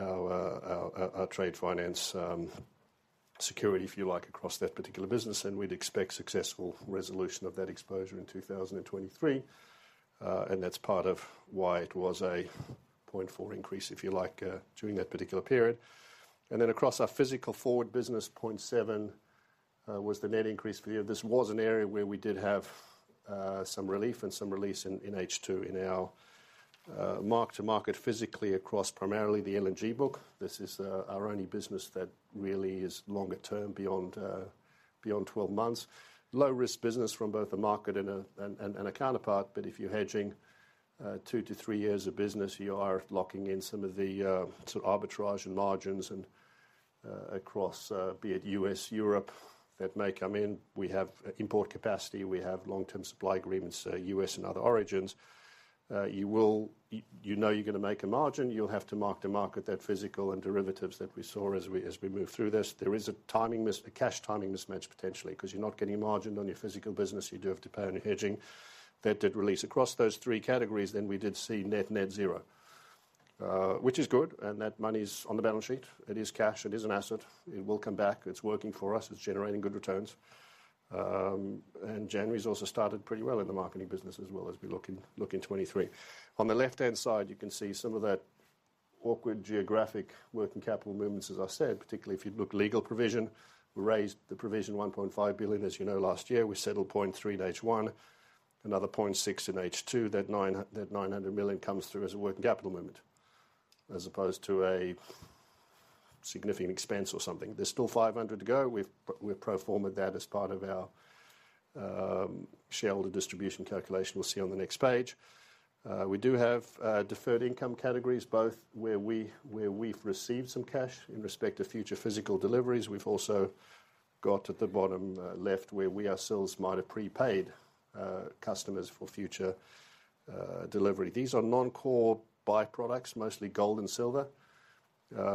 our trade finance security, if you like, across that particular business, and we'd expect successful resolution of that exposure in 2023. That's part of why it was a 0.4% increase, if you like, during that particular period. Across our physical forward business, 0.7% was the net increase for the year. This was an area where we did have some relief and some release in H2 in our mark-to-market physically across primarily the LNG book. This is our only business that really is longer term beyond 12 months. Low risk business from both the market and a counterpart. If you're hedging two to three years of business, you are locking in some of the sort of arbitrage and margins and across be it U.S., Europe that may come in. We have import capacity, we have long-term supply agreements, U.S. and other origins. You know you're gonna make a margin, you'll have to mark-to-market that physical and derivatives that we saw as we move through this. There is a cash timing mismatch potentially, because you're not getting margined on your physical business. You do have to pay on your hedging. That did release. Across those three categories, we did see net zero, which is good, and that money's on the balance sheet. It is cash, it is an asset, it will come back. It's working for us, it's generating good returns. January's also started pretty well in the Marketing business as well, as we look in 2023. On the left-hand side, you can see some of that awkward geographic working capital movements, as I said. Particularly if you look legal provision, we raised the provision $1.5 billion. As you know last year, we settled $0.3 in H1, another $0.6 in H2. That $900 million comes through as a working capital movement as opposed to a significant expense or something. There's still $500 to go. We've pro formed that as part of our shareholder distribution calculation we'll see on the next page. We do have deferred income categories, both where we, where we've received some cash in respect to future physical deliveries. We've also got at the bottom left, where we ourselves might have prepaid customers for future delivery. These are non-core byproducts, mostly gold and silver,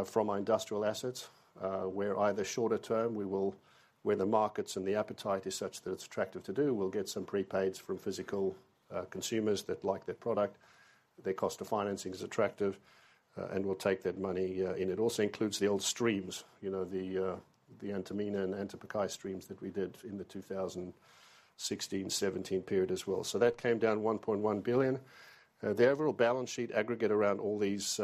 from our Industrial assets, where either shorter term we will where the markets and the appetite is such that it's attractive to do, we'll get some prepaids from physical consumers that like their product, their cost of financing is attractive, and we'll take that money in. It also includes the old streams, you know, the Antamina and Antapaccay streams that we did in the 2016, 2017 period as well. That came down $1.1 billion. The overall balance sheet aggregate around all these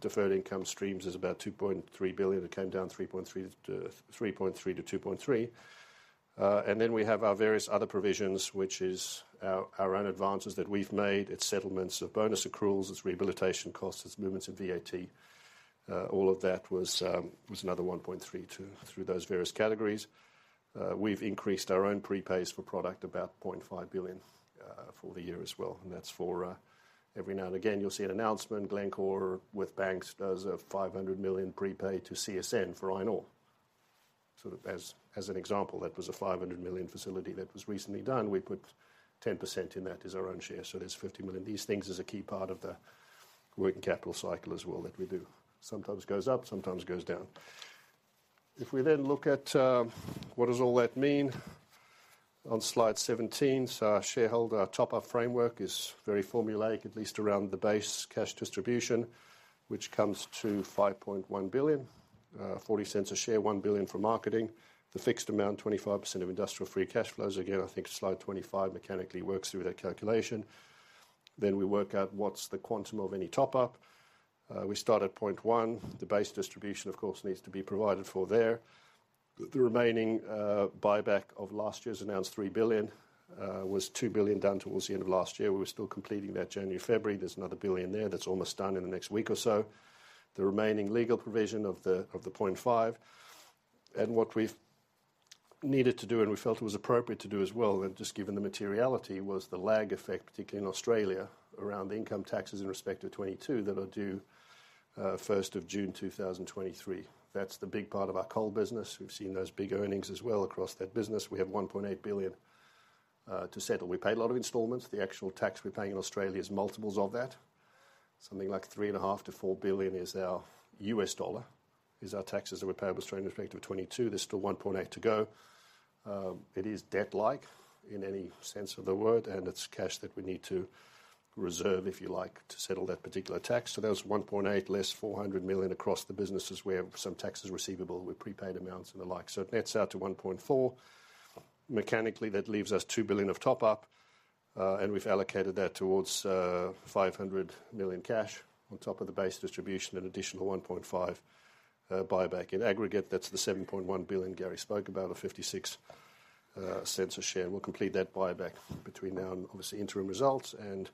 deferred income streams is about $2.3 billion. It came down $3.3 billion to $2.3 billion. We have our various other provisions, which is our own advances that we've made. It's settlements of bonus accruals, it's rehabilitation costs, it's movements in VAT. All of that was another $1.32 through those various categories. We've increased our own prepays for product about $0.5 billion for the year as well. That's for every now and again, you'll see an announcement, Glencore with banks does a $500 million prepaid to CSN for iron ore. Sort of as an example, that was a $500 million facility that was recently done. We put 10% in that as our own share, so that's $50 million. These things is a key part of the working capital cycle as well that we do. Sometimes goes up, sometimes goes down. If we look at, what does all that mean? On slide 17, our shareholder, our top-up framework is very formulaic, at least around the base cash distribution, which comes to $5.1 billion, $0.40 a share, $1 billion for Marketing. The fixed amount, 25% of Industrial free cash flows. Again, I think slide 25 mechanically works through that calculation. We work out what's the quantum of any top-up. We start at $0.1 billion. The base distribution, of course, needs to be provided for there. The remaining buyback of last year's announced $3 billion was $2 billion down towards the end of last year. We were still completing that January, February. There's another $1 billion there that's almost done in the next week or so. The remaining legal provision of the $0.5 billion. What we've needed to do, and we felt it was appropriate to do as well, and just given the materiality, was the lag effect, particularly in Australia, around income taxes in respect to 2022 that are due June 1st, 2023. That's the big part of our coal business. We've seen those big earnings as well across that business. We have $1.8 billion to settle. We paid a lot of installments. The actual tax we're paying in Australia is multiples of that. Something like $3.5 billion-$4 billion U.S. dollar, is our taxes that are payable to Australia in respect to 2022. There's still $1.8 billion to go. It is debt-like in any sense of the word, and it's cash that we need to reserve, if you like, to settle that particular tax. There's $1.8 billion less $400 million across the businesses where some tax is receivable with prepaid amounts and the like. It nets out to $1.4 billion. Mechanically, that leaves us $2 billion of top up, and we've allocated that towards $500 million cash on top of the base distribution, an additional $1.5 billion buyback. In aggregate, that's the $7.1 billion Gary spoke about, or $0.56 a share. We'll complete that buyback between now and obviously interim results, and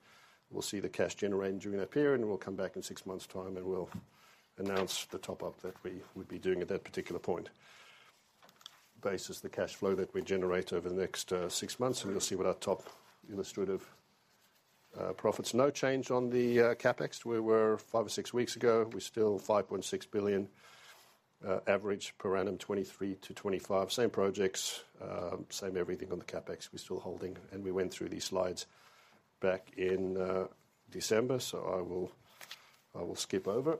we'll see the cash generated during that period, and we'll come back in six months' time and we'll announce the top-up that we will be doing at that particular point. Basis the cash flow that we generate over the next six months, you'll see what our spot illustrative profit's. No change on the CapEx. We were five or six weeks ago. We're still $5.6 billion average per annum, 2023-2025. Same projects, same everything on the CapEx. We're still holding. We went through these slides back in December, so I will skip over.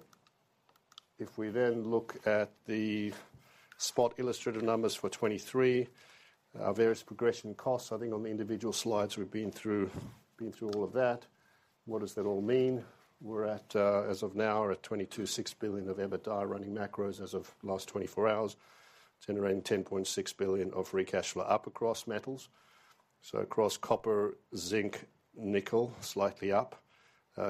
If we then look at the spot illustrative numbers for 2023. Our various progression costs, I think on the individual slides we've been through, been through all of that. What does that all mean? We're at, as of now, we're at $22.6 billion of Adjusted EBITDA running macros as of last 24 hours. It's generating $10.6 billion of equity free cash flow up across metals. Across copper, zinc, nickel, slightly up.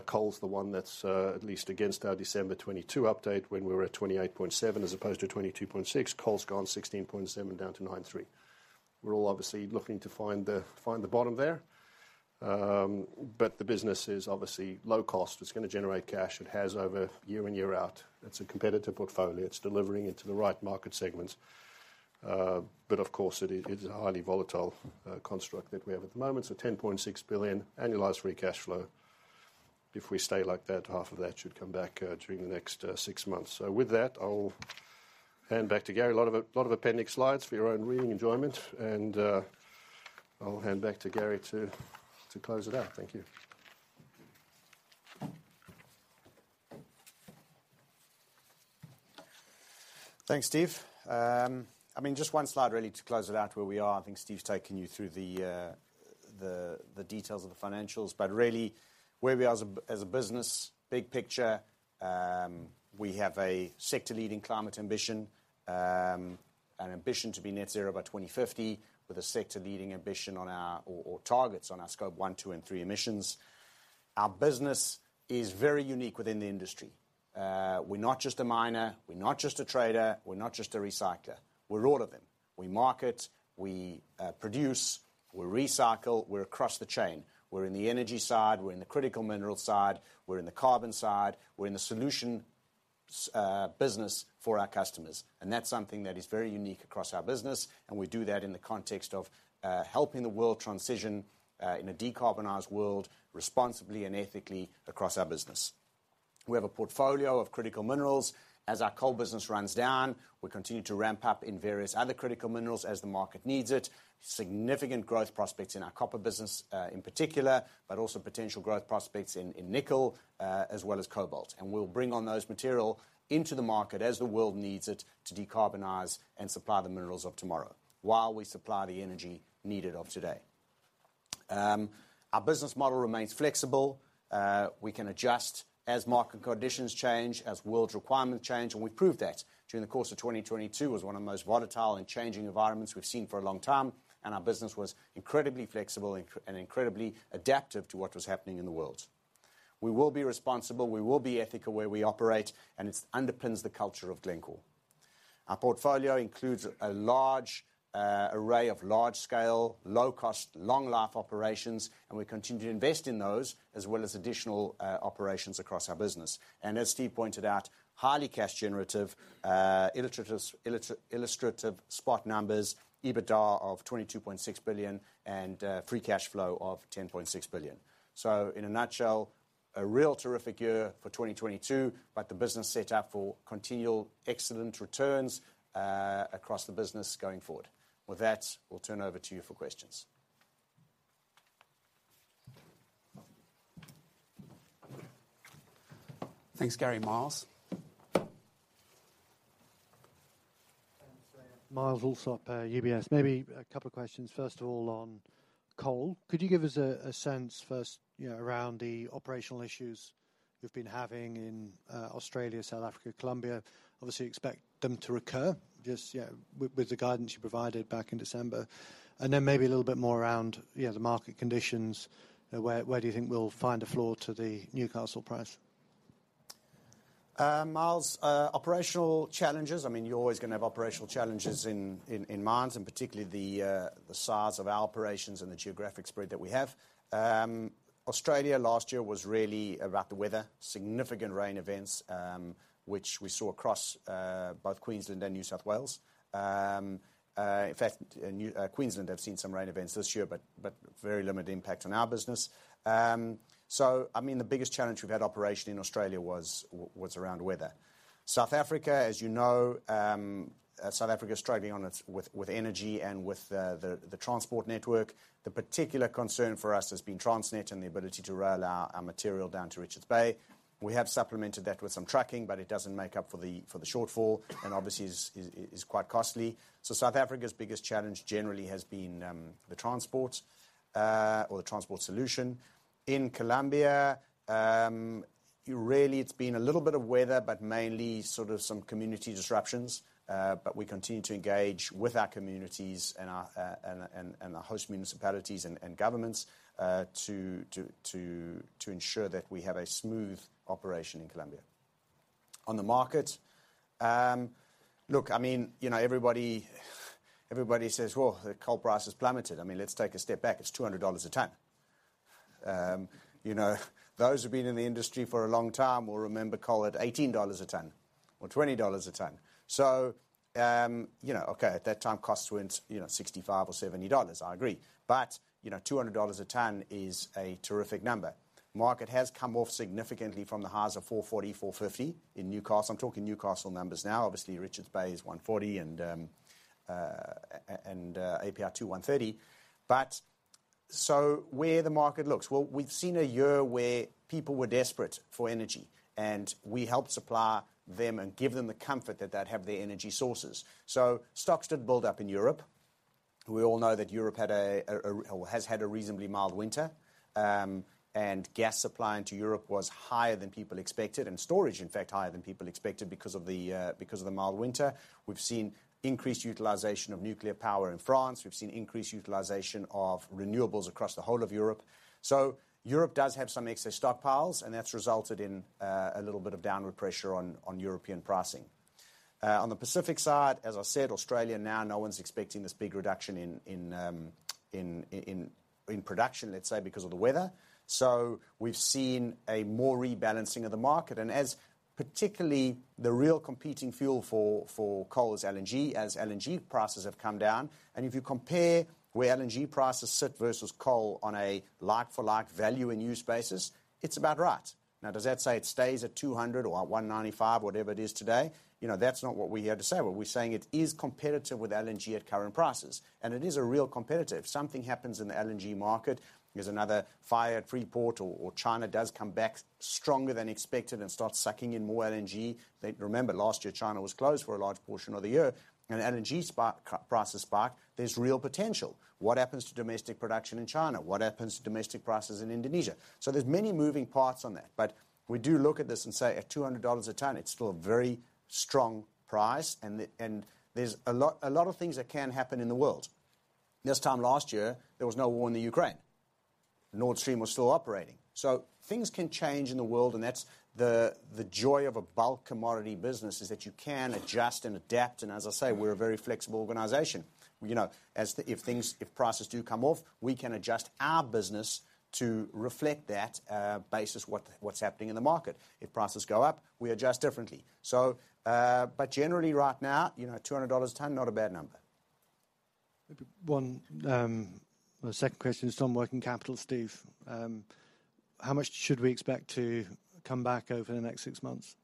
Coal's the one that's, at least against our December 2022 update when we were at $28.7 as opposed to $22.6. Coal's gone $16.7 down to $9.3. We're all obviously looking to find the bottom there. The business is obviously low cost. It's gonna generate cash. It has over year in, year out. It's a competitive portfolio. It's delivering into the right market segments, but of course it is a highly volatile construct that we have at the moment. $10.6 billion annualized free cash flow. If we stay like that, half of that should come back during the next six months. With that, I'll hand back to Gary. A lot of appendix slides for your own reading enjoyment and I'll hand back to Gary to close it out. Thank you. Thanks, Steve. I mean, just 1 slide really to close it out where we are. I think Steve's taken you through the details of the financials. Really, where we are as a business, big picture, we have a sector-leading climate ambition, an ambition to be net zero by 2050 with a sector-leading ambition on our targets on our Scope 1, 2, and 3 emissions. Our business is very unique within the industry. We're not just a miner, we're not just a trader, we're not just a recycler. We're all of them. We market, we produce, we recycle, we're across the chain. We're in the energy side, we're in the critical minerals side, we're in the carbon side, we're in the solution business for our customers. That's something that is very unique across our business, and we do that in the context of helping the world transition in a decarbonized world responsibly and ethically across our business. We have a portfolio of critical minerals. As our coal business runs down, we continue to ramp up in various other critical minerals as the market needs it. Significant growth prospects in our copper business in particular, but also potential growth prospects in nickel as well as cobalt. We'll bring on those material into the market as the world needs it to decarbonize and supply the minerals of tomorrow while we supply the energy needed of today. Our business model remains flexible. We can adjust as market conditions change, as world's requirements change, and we've proved that during the course of 2022 was one of the most volatile and changing environments we've seen for a long time, and our business was incredibly flexible and incredibly adaptive to what was happening in the world. We will be responsible, we will be ethical where we operate, and it's underpins the culture of Glencore. Our portfolio includes a large array of large scale, low cost, long life operations, and we continue to invest in those as well as additional operations across our business. As Steve pointed out, highly cash generative, illustrative spot numbers, EBITDA of $22.6 billion and free cash flow of $10.6 billion. In a nutshell, a real terrific year for 2022, but the business set out for continual excellent returns across the business going forward. With that, we'll turn over to you for questions. Thanks, Gary. Myles? Thanks. Myles Allsop, UBS. Maybe a couple of questions. First of all, on coal. Could you give us a sense first, you know, around the operational issues you've been having in Australia, South Africa, Colombia? Obviously, you expect them to recur, just, you know, with the guidance you provided back in December. Then maybe a little bit more around, you know, the market conditions. Where do you think we'll find a floor to the Newcastle price? Myles, operational challenges, I mean, you're always gonna have operational challenges in mines, and particularly the size of our operations and the geographic spread that we have. Australia last year was really about the weather. Significant rain events, which we saw across both Queensland and New South Wales. In fact, Queensland have seen some rain events this year, but very limited impact on our business. I mean, the biggest challenge we've had operationally in Australia was around weather. South Africa, as you know, South Africa is struggling with energy and with the transport network. The particular concern for us has been Transnet and the ability to rail our material down to Richards Bay. We have supplemented that with some trucking, but it doesn't make up for the shortfall and obviously is quite costly. South Africa's biggest challenge generally has been the transport or the transport solution. In Colombia, you really it's been a little bit of weather, but mainly sort of some community disruptions. But we continue to engage with our communities and our and the host municipalities and governments to ensure that we have a smooth operation in Colombia. On the market, look, I mean, you know, everybody says, "Whoa, the coal price has plummeted." I mean, let's take a step back. It's $200 a ton. You know, those who've been in the industry for a long time will remember coal at $18 a ton or $20 a ton. You know, okay, at that time, costs weren't, you know, $65 or $70, I agree. You know, $200 a ton is a terrific number. Market has come off significantly from the highs of 440, 450 in Newcastle. I'm talking Newcastle numbers now. Obviously, Richards Bay is 140 and API2 130. Where the market looks. Well, we've seen a year where people were desperate for energy, and we helped supply them and give them the comfort that they'd have their energy sources. Stocks did build up in Europe. We all know that Europe had a, or has had a reasonably mild winter. Gas supply into Europe was higher than people expected, and storage, in fact, higher than people expected because of the mild winter. We've seen increased utilization of nuclear power in France. We've seen increased utilization of renewables across the whole of Europe. Europe does have some excess stockpiles, and that's resulted in a little bit of downward pressure on European pricing. On the Pacific side, as I said, Australia now, no one's expecting this big reduction in production, let's say, because of the weather. As particularly the real competing fuel for coal is LNG, as LNG prices have come down, and if you compare where LNG prices sit versus coal on a like-for-like value and use basis, it's about right. Does that say it stays at 200 or 195, whatever it is today? You know, that's not what we're here to say. What we're saying it is competitive with LNG at current prices, and it is a real competitive. If something happens in the LNG market, there's another fire at Freeport or China does come back stronger than expected and starts sucking in more LNG, remember last year, China was closed for a large portion of the year and LNG prices spiked. There's real potential. What happens to domestic production in China? What happens to domestic prices in Indonesia? There's many moving parts on that, but we do look at this and say, at $200 a ton, it's still a very strong price, and the, and there's a lot of things that can happen in the world. This time last year, there was no war in the Ukraine. Nord Stream was still operating. Things can change in the world, and that's the joy of a bulk commodity business, is that you can adjust and adapt, and as I say, we're a very flexible organization. You know, as to if prices do come off, we can adjust our business to reflect that, basis what's happening in the market. If prices go up, we adjust differently. Generally right now, you know, $200 a ton, not a bad number. One, the second question is on working capital, Steven. How much should we expect to come back over the next six months?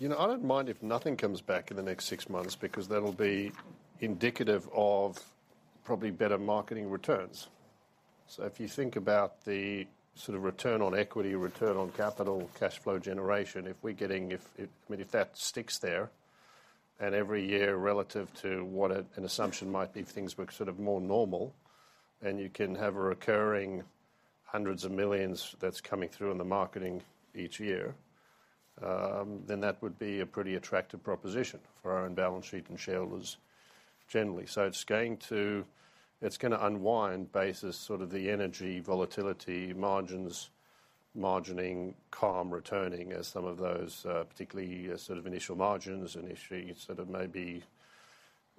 You know, I don't mind if nothing comes back in the next six months because that'll be indicative of probably better Marketing returns. If you think about the sort of return on equity, return on capital, cash flow generation, If, I mean, if that sticks there and every year relative to what an assumption might be if things were sort of more normal and you can have a recurring hundreds of millions that's coming through in the Marketing each year, then that would be a pretty attractive proposition for our own balance sheet and shareholders generally. It's going to, it's gonna unwind basis sort of the energy volatility margins, margining, calm, returning as some of those, particularly sort of initial margins initially sort of maybe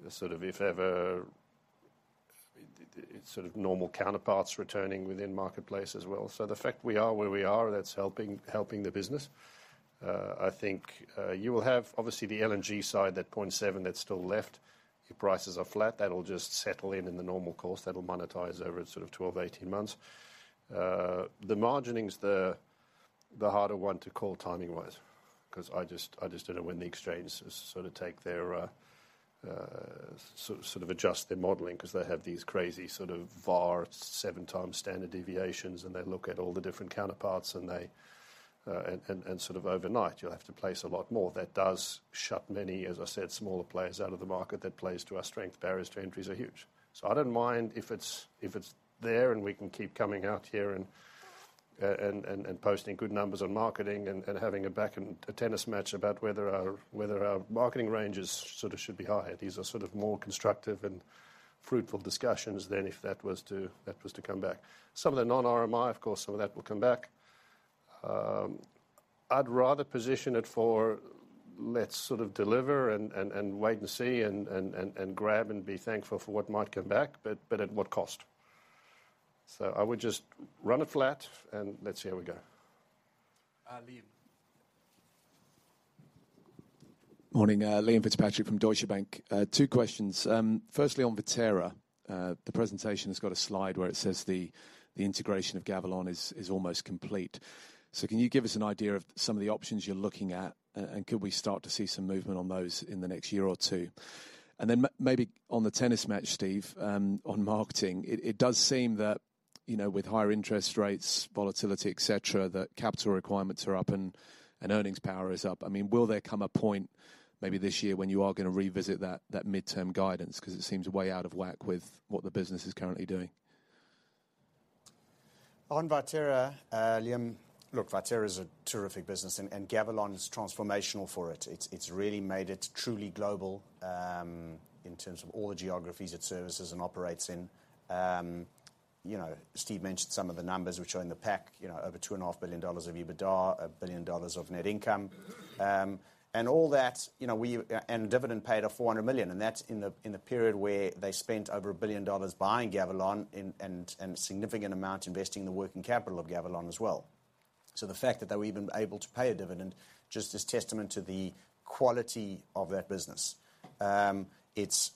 sort of if ever it's sort of normal counterparts returning within marketplace as well. The fact we are where we are, that's helping the business. I think you will have obviously the LNG side, that 0.7 that's still left. The prices are flat. That'll just settle in in the normal course. That'll monetize over sort of 12 to 18 months. The margining is the harder one to call timing-wise 'cause I just don't know when the exchanges sort of take their sort of adjust their modeling 'cause they have these crazy sort of VaR 7 times standard deviations and they look at all the different counterparts and sort of overnight you'll have to place a lot more. That does shut many, as I said, smaller players out of the market. That plays to our strength. Barriers to entries are huge. I don't mind if it's there and we can keep coming out here and posting good numbers on Marketing and having a back and a tennis match about whether our Marketing ranges sort of should be higher. These are sort of more constructive and fruitful discussions than if that was to come back. Some of the non-RMI, of course, some of that will come back. I'd rather position it for let's sort of deliver and wait and see and grab and be thankful for what might come back, but at what cost? I would just run it flat and let's see how we go. Liam. Morning. Liam Fitzpatrick from Deutsche Bank. Two questions. Firstly on Viterra, the presentation has got a slide where it says the integration of Gavilon is almost complete. Can you give us an idea of some of the options you're looking at, and could we start to see some movement on those in the next year or two? Maybe on the tennis match, Steve, on Marketing. It does seem that, you know, with higher interest rates, volatility, et cetera, that capital requirements are up and earnings power is up. I mean, will there come a point maybe this year when you are gonna revisit that midterm guidance? Because it seems way out of whack with what the business is currently doing. On Viterra, Liam, look, Viterra is a terrific business and Gavilon is transformational for it. It's really made it truly global, in terms of all the geographies it services and operates in. You know, Steve mentioned some of the numbers which are in the pack, you know, over $2.5 billion of EBITDA, $1 billion of net income. All that, you know, and dividend paid of $400 million, and that's in the period where they spent over $1 billion buying Gavilon and significant amount investing in the working capital of Gavilon as well. The fact that they were even able to pay a dividend just is testament to the quality of that business. It's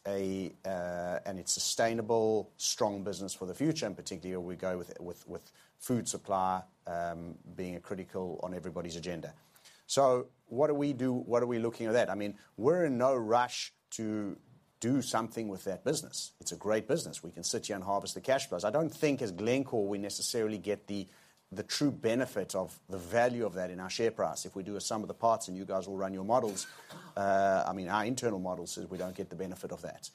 sustainable, strong business for the future, and particularly as we go with food supply, being a critical on everybody's agenda. What do we do? What are we looking at that? I mean, we're in no rush to do something with that business. It's a great business. We can sit here and harvest the cash flows. I don't think as Glencore, we necessarily get the true benefit of the value of that in our share price. If we do a sum of the parts and you guys all run your models, I mean, our internal models says we don't get the benefit of that.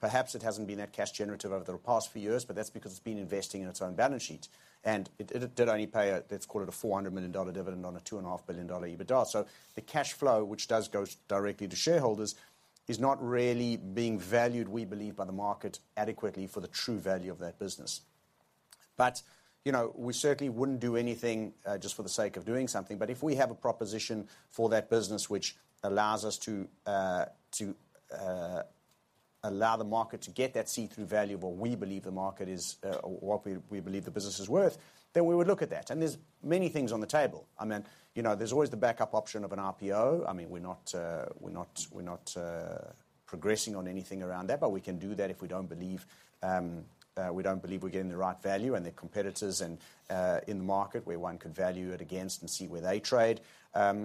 Perhaps it hasn't been that cash generative over the past few years, but that's because it's been investing in its own balance sheet, and it did only pay a, let's call it a $400 million dividend on a $2.5 billion EBITDA. The cash flow, which does go directly to shareholders, is not really being valued, we believe, by the market adequately for the true value of that business. You know, we certainly wouldn't do anything just for the sake of doing something. If we have a proposition for that business which allows us to allow the market to get that see-through value, what we believe the market is, what we believe the business is worth, then we would look at that. There's many things on the table. I mean, you know, there's always the backup option of an IPO. I mean, we're not progressing on anything around that. We can do that if we don't believe we're getting the right value. There are competitors and in the market where one could value it against and see where they trade.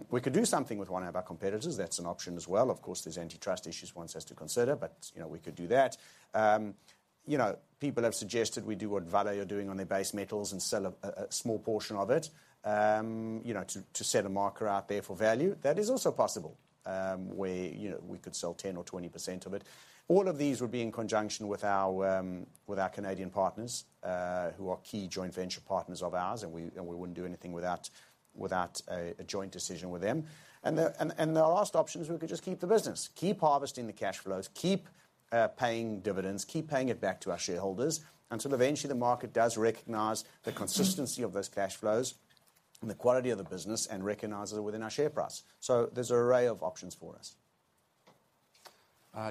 We could do something with one of our competitors. That's an option as well. Of course, there's antitrust issues one has to consider, but, you know, we could do that. You know, people have suggested we do what Vale are doing on their base metals and sell a small portion of it, you know, to set a marker out there for value. That is also possible, where, you know, we could sell 10% or 20% of it. All of these would be in conjunction with our Canadian partners, who are key joint venture partners of ours, and we wouldn't do anything without a joint decision with them. The last option is we could just keep the business, keep harvesting the cash flows, keep paying dividends, keep paying it back to our shareholders until eventually the market does recognize the consistency of those cash flows and the quality of the business and recognizes it within our share price. There's an array of options for us.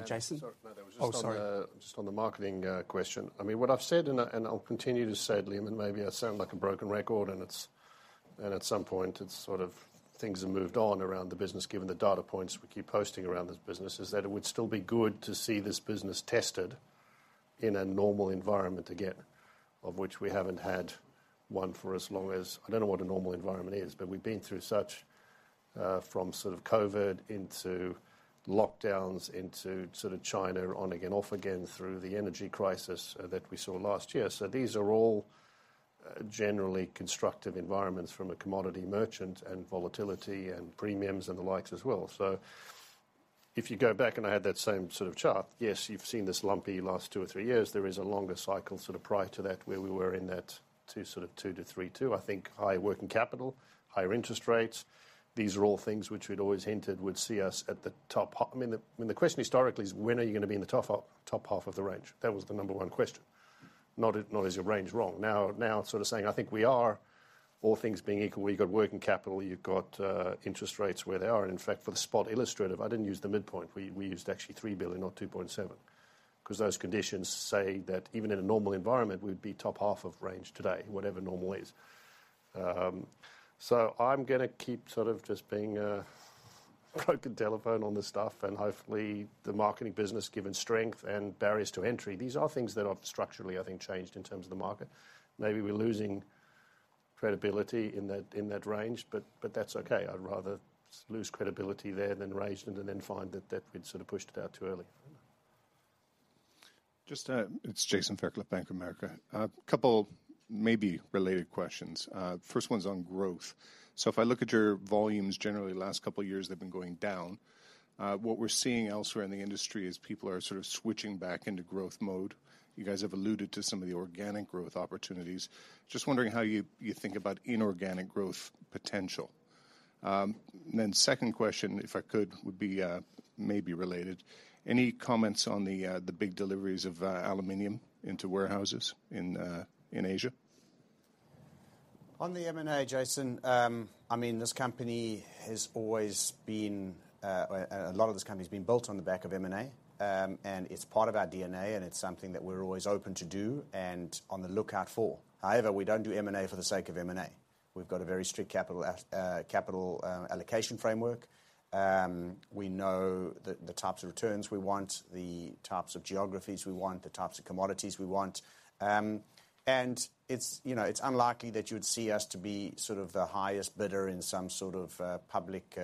Jason. Sorry, Martin, I was just on. Oh, sorry. Just on the Marketing question. I mean, what I've said, and I'll continue to say it, Liam, and maybe I sound like a broken record, and at some point it's sort of things have moved on around the business given the data points we keep posting around this business, is that it would still be good to see this business tested in a normal environment again, of which we haven't had one for as long as. I don't know what a normal environment is. We've been through such, from sort of COVID into lockdowns, into sort of China on again, off again, through the energy crisis that we saw last year. These are all generally constructive environments from a commodity merchant and volatility and premiums and the likes as well. If you go back and I had that same sort of chart, yes, you've seen this lumpy last two or three years. There is a longer cycle sort of prior to that where we were in that to sort of two to three too. I think higher working capital, higher interest rates, these are all things which we'd always hinted would see us at the top half. I mean the question historically is when are you gonna be in the top half of the range? That was the number one question, not is your range wrong. Now it's sort of saying I think we are all things being equal, where you've got working capital, you've got interest rates where they are. In fact, for the spot illustrative, I didn't use the midpoint. We used actually $3 billion, not $2.7, 'cause those conditions say that even in a normal environment, we'd be top half of range today, whatever normal is. I'm gonna keep sort of just being a broken telephone on this stuff and hopefully the Marketing business given strength and barriers to entry. These are things that have structurally, I think, changed in terms of the market. Maybe we're losing credibility in that, in that range, but that's okay. I'd rather lose credibility there than raise them and then find that we'd sort of pushed it out too early. Just, it's Jason Fairclough at Bank of America. A couple maybe related questions. First one is on growth. If I look at your volumes generally the last couple of years, they've been going down. What we're seeing elsewhere in the industry is people are sort of switching back into growth mode. You guys have alluded to some of the organic growth opportunities. Just wondering how you think about inorganic growth potential. Second question, if I could, would be maybe related. Any comments on the big deliveries of aluminum into warehouses in Asia? On the M&A, Jason, I mean, this company has always been a lot of this company's been built on the back of M&A. It's part of our DNA, and it's something that we're always open to do and on the lookout for. However, we don't do M&A for the sake of M&A. We've got a very strict capital allocation framework. We know the types of returns we want, the types of geographies we want, the types of commodities we want. It's, you know, it's unlikely that you'd see us to be sort of the highest bidder in some sort of public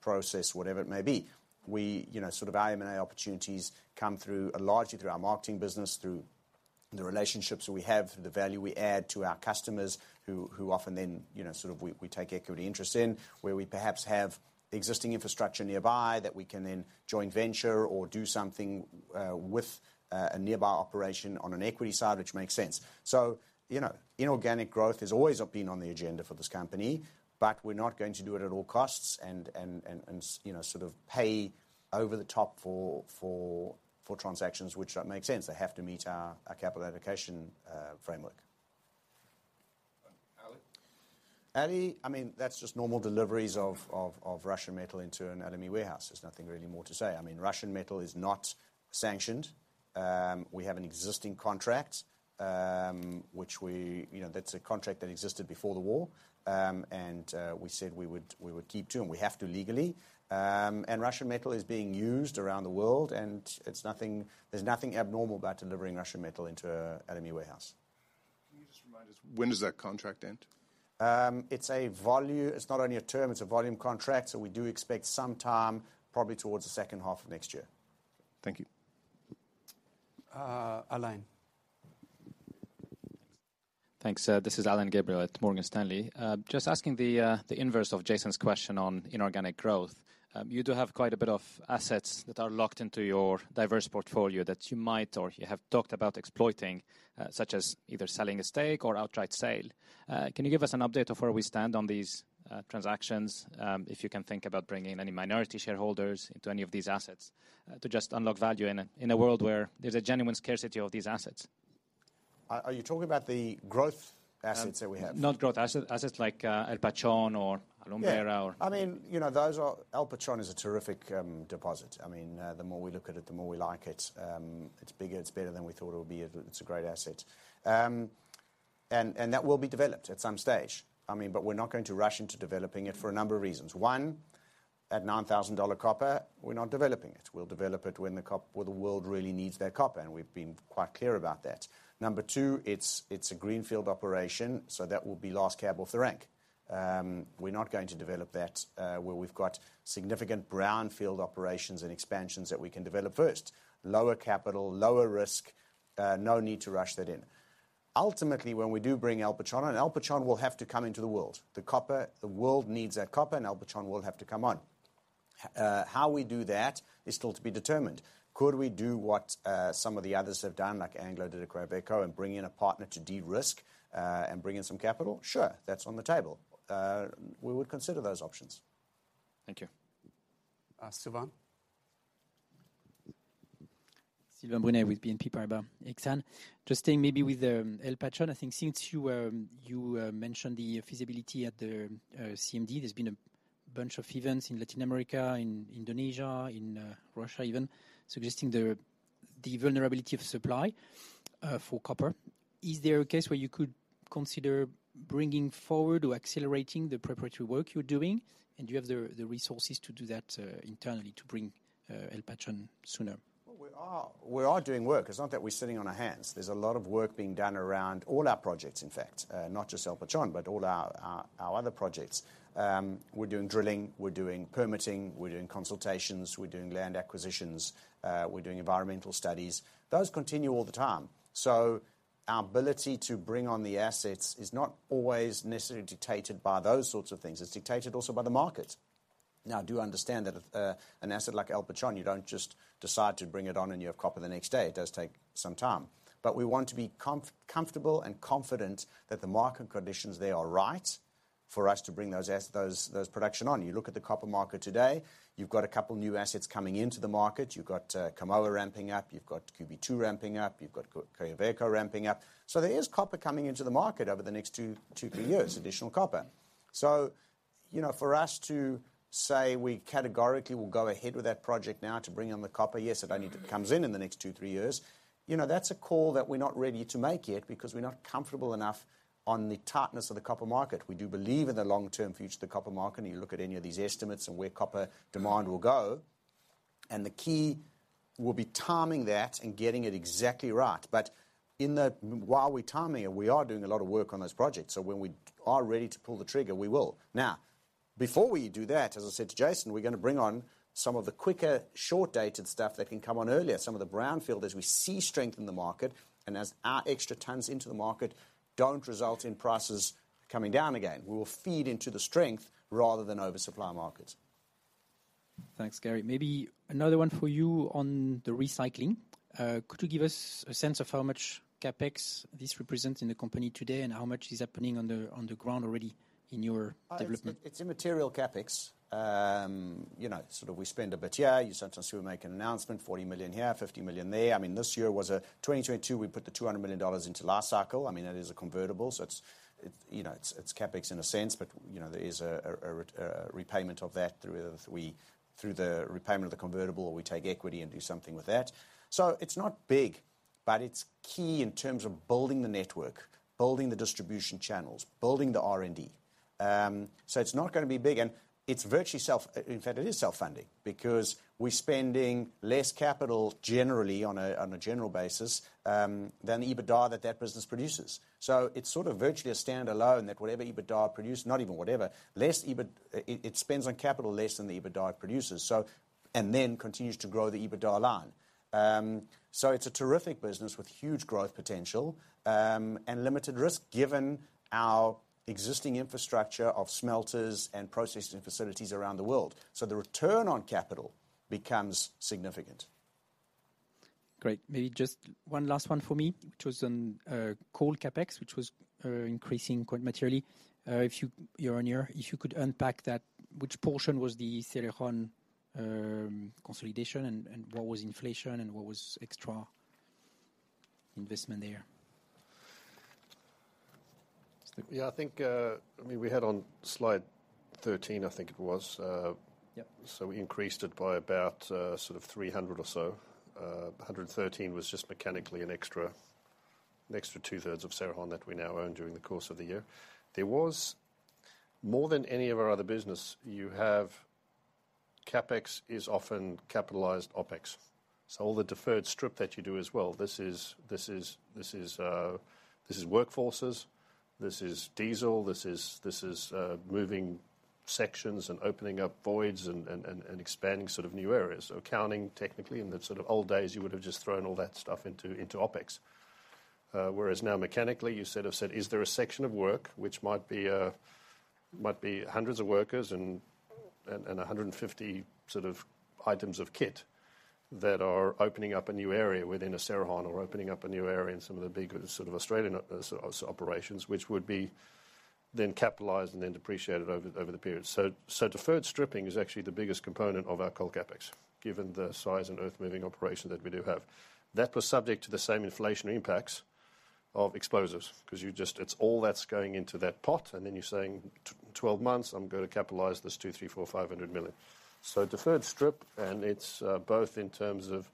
process, whatever it may be. We, you know, sort of our M&A opportunities come through largely through our Marketing business, through the relationships we have, through the value we add to our customers who often then, you know, sort of we take equity interest in, where we perhaps have existing infrastructure nearby that we can then joint venture or do something with a nearby operation on an equity side, which makes sense. You know, inorganic growth has always been on the agenda for this company, but we're not going to do it at all costs and, you know, sort of pay over the top for transactions which don't make sense. They have to meet our capital allocation framework. LME? LME, I mean, that's just normal deliveries of Russian metal into an LME warehouse. There's nothing really more to say. I mean, Russian metal is not sanctioned. We have an existing contract, which we, you know, that's a contract that existed before the war. We said we would keep to, and we have to legally. Russian metal is being used around the world, There's nothing abnormal about delivering Russian metal into a LME warehouse. Can you just remind us, when does that contract end? It's not only a term, it's a volume contract, so we do expect some time, probably towards the second half of next year. Thank you. Alain. Thanks. This is Alain Gabriel at Morgan Stanley. Just asking the inverse of Jason's question on inorganic growth. You do have quite a bit of assets that are locked into your diverse portfolio that you might or you have talked about exploiting, such as either selling a stake or outright sale. Can you give us an update of where we stand on these transactions, if you can think about bringing any minority shareholders into any of these assets, to just unlock value in a world where there's a genuine scarcity of these assets? Are you talking about the growth assets that we have? Not growth asset. Assets like El Pachón or Alumbrera. I mean, you know, those are... El Pachón is a terrific deposit. I mean, the more we look at it, the more we like it. It's bigger, it's better than we thought it would be. It's a great asset. And that will be developed at some stage. We're not going to rush into developing it for a number of reasons. One, at $9,000 copper, we're not developing it. We'll develop it when the world really needs their copper, and we've been quite clear about that. Number two, it's a greenfield operation, so that will be last cab off the rank. We're not going to develop that where we've got significant brownfield operations and expansions that we can develop first. Lower capital, lower risk, no need to rush that in. Ultimately, when we do bring El Pachón on, El Pachón will have to come into the world. The world needs that copper, El Pachón will have to come on. How we do that is still to be determined. Could we do what some of the others have done, like Anglo did at Quellaveco and bring in a partner to de-risk and bring in some capital? Sure. That's on the table. We would consider those options. Thank you. Sylvain. Sylvain Brunet with BNP Paribas. Thanks. Just staying maybe with El Pachón. I think since you mentioned the feasibility at the CMD, there's been a bunch of events in Latin America, in Indonesia, in Russia even, suggesting the vulnerability of supply for copper. Is there a case where you could consider bringing forward or accelerating the preparatory work you're doing? You have the resources to do that internally to bring El Pachón sooner? We are doing work. It's not that we're sitting on our hands. There's a lot of work being done around all our projects, in fact. Not just El Pachón, but all our other projects. We're doing drilling, we're doing permitting, we're doing consultations, we're doing land acquisitions, we're doing environmental studies. Those continue all the time. Our ability to bring on the assets is not always necessarily dictated by those sorts of things. It's dictated also by the market. I do understand that if an asset like El Pachón, you don't just decide to bring it on and you have copper the next day. It does take some time. We want to be comfortable and confident that the market conditions there are right for us to bring those production on. You look at the copper market today, you've got a couple new assets coming into the market. You've got Kamoto ramping up. You've got QB2 ramping up. You've got Quellaveco ramping up. There is copper coming into the market over the next two, three years, additional copper. you know, for us to say we categorically will go ahead with that project now to bring on the copper, yes, if only it comes in the next two, three years, you know, that's a call that we're not ready to make yet because we're not comfortable enough on the tightness of the copper market. We do believe in the long-term future of the copper market, and you look at any of these estimates on where copper demand will go, and the key will be timing that and getting it exactly right. While we're timing it, we are doing a lot of work on those projects. So when we are ready to pull the trigger, we will. Before we do that, as I said to Jason, we're gonna bring on some of the quicker, short-dated stuff that can come on earlier, some of the brownfield as we see strength in the market and as our extra tons into the market don't result in prices coming down again. We will feed into the strength rather than oversupply markets. Thanks, Gary. Maybe another one for you on the recycling. Could you give us a sense of how much CapEx this represents in the company today, and how much is happening on the, on the ground already in your development? It's immaterial CapEx. You know, sort of we spend a bit here. Sometimes we'll make an announcement, $40 million here, $50 million there. I mean, this year was 2022, we put the $200 million into Li-Cycle. I mean, that is a convertible, so you know, it's CapEx in a sense, but, you know, there is a repayment of that through the repayment of the convertible or we take equity and do something with that. It's not big, but it's key in terms of building the network, building the distribution channels, building the R&D. It's not gonna be big, and it's virtually self-funding because we're spending less capital generally on a general basis than the EBITDA that that business produces. It's virtually a standalone that whatever EBITDA produce, not even whatever, less it spends on capital less than the EBITDA it produces, continues to grow the EBITDA line. It's a terrific business with huge growth potential, and limited risk given our existing infrastructure of smelters and processing facilities around the world. The return on capital becomes significant. Great. Maybe just one last one for me, which was on coal CapEx, which was increasing quite materially, if you, year-on-year. If you could unpack that, which portion was the Cerrejón consolidation, what was inflation and what was extra investment there? Yeah, I think, I mean, we had on slide 13, I think it was. We increased it by about, sort of 300 or so. 113 was just mechanically an extra 2/3 of Cerrejón that we now own during the course of the year. There was more than any of our other business, you have CapEx is often capitalized OpEx. All the deferred stripping that you do as well, this is workforces, this is diesel, this is moving sections and opening up voids and expanding sort of new areas. Accounting technically, in the sort of old days, you would have just thrown all that stuff into OpEx. Whereas now mechanically you sort of said, "Is there a section of work which might be 100s of workers and 150 sort of items of kit that are opening up a new area within Cerrejón or opening up a new area in some of the bigger sort of Australian operations, which would be then capitalized and then depreciated over the period. Deferred stripping is actually the biggest component of our coal CapEx, given the size and earth-moving operation that we do have. That was subject to the same inflationary impacts of explosives, because you just... It's all that's going into that pot, and then you're saying 12 months, I'm gonna capitalize this $200 million, $300 million, $400 million, $500 million. Deferred stripping, and it's both in terms of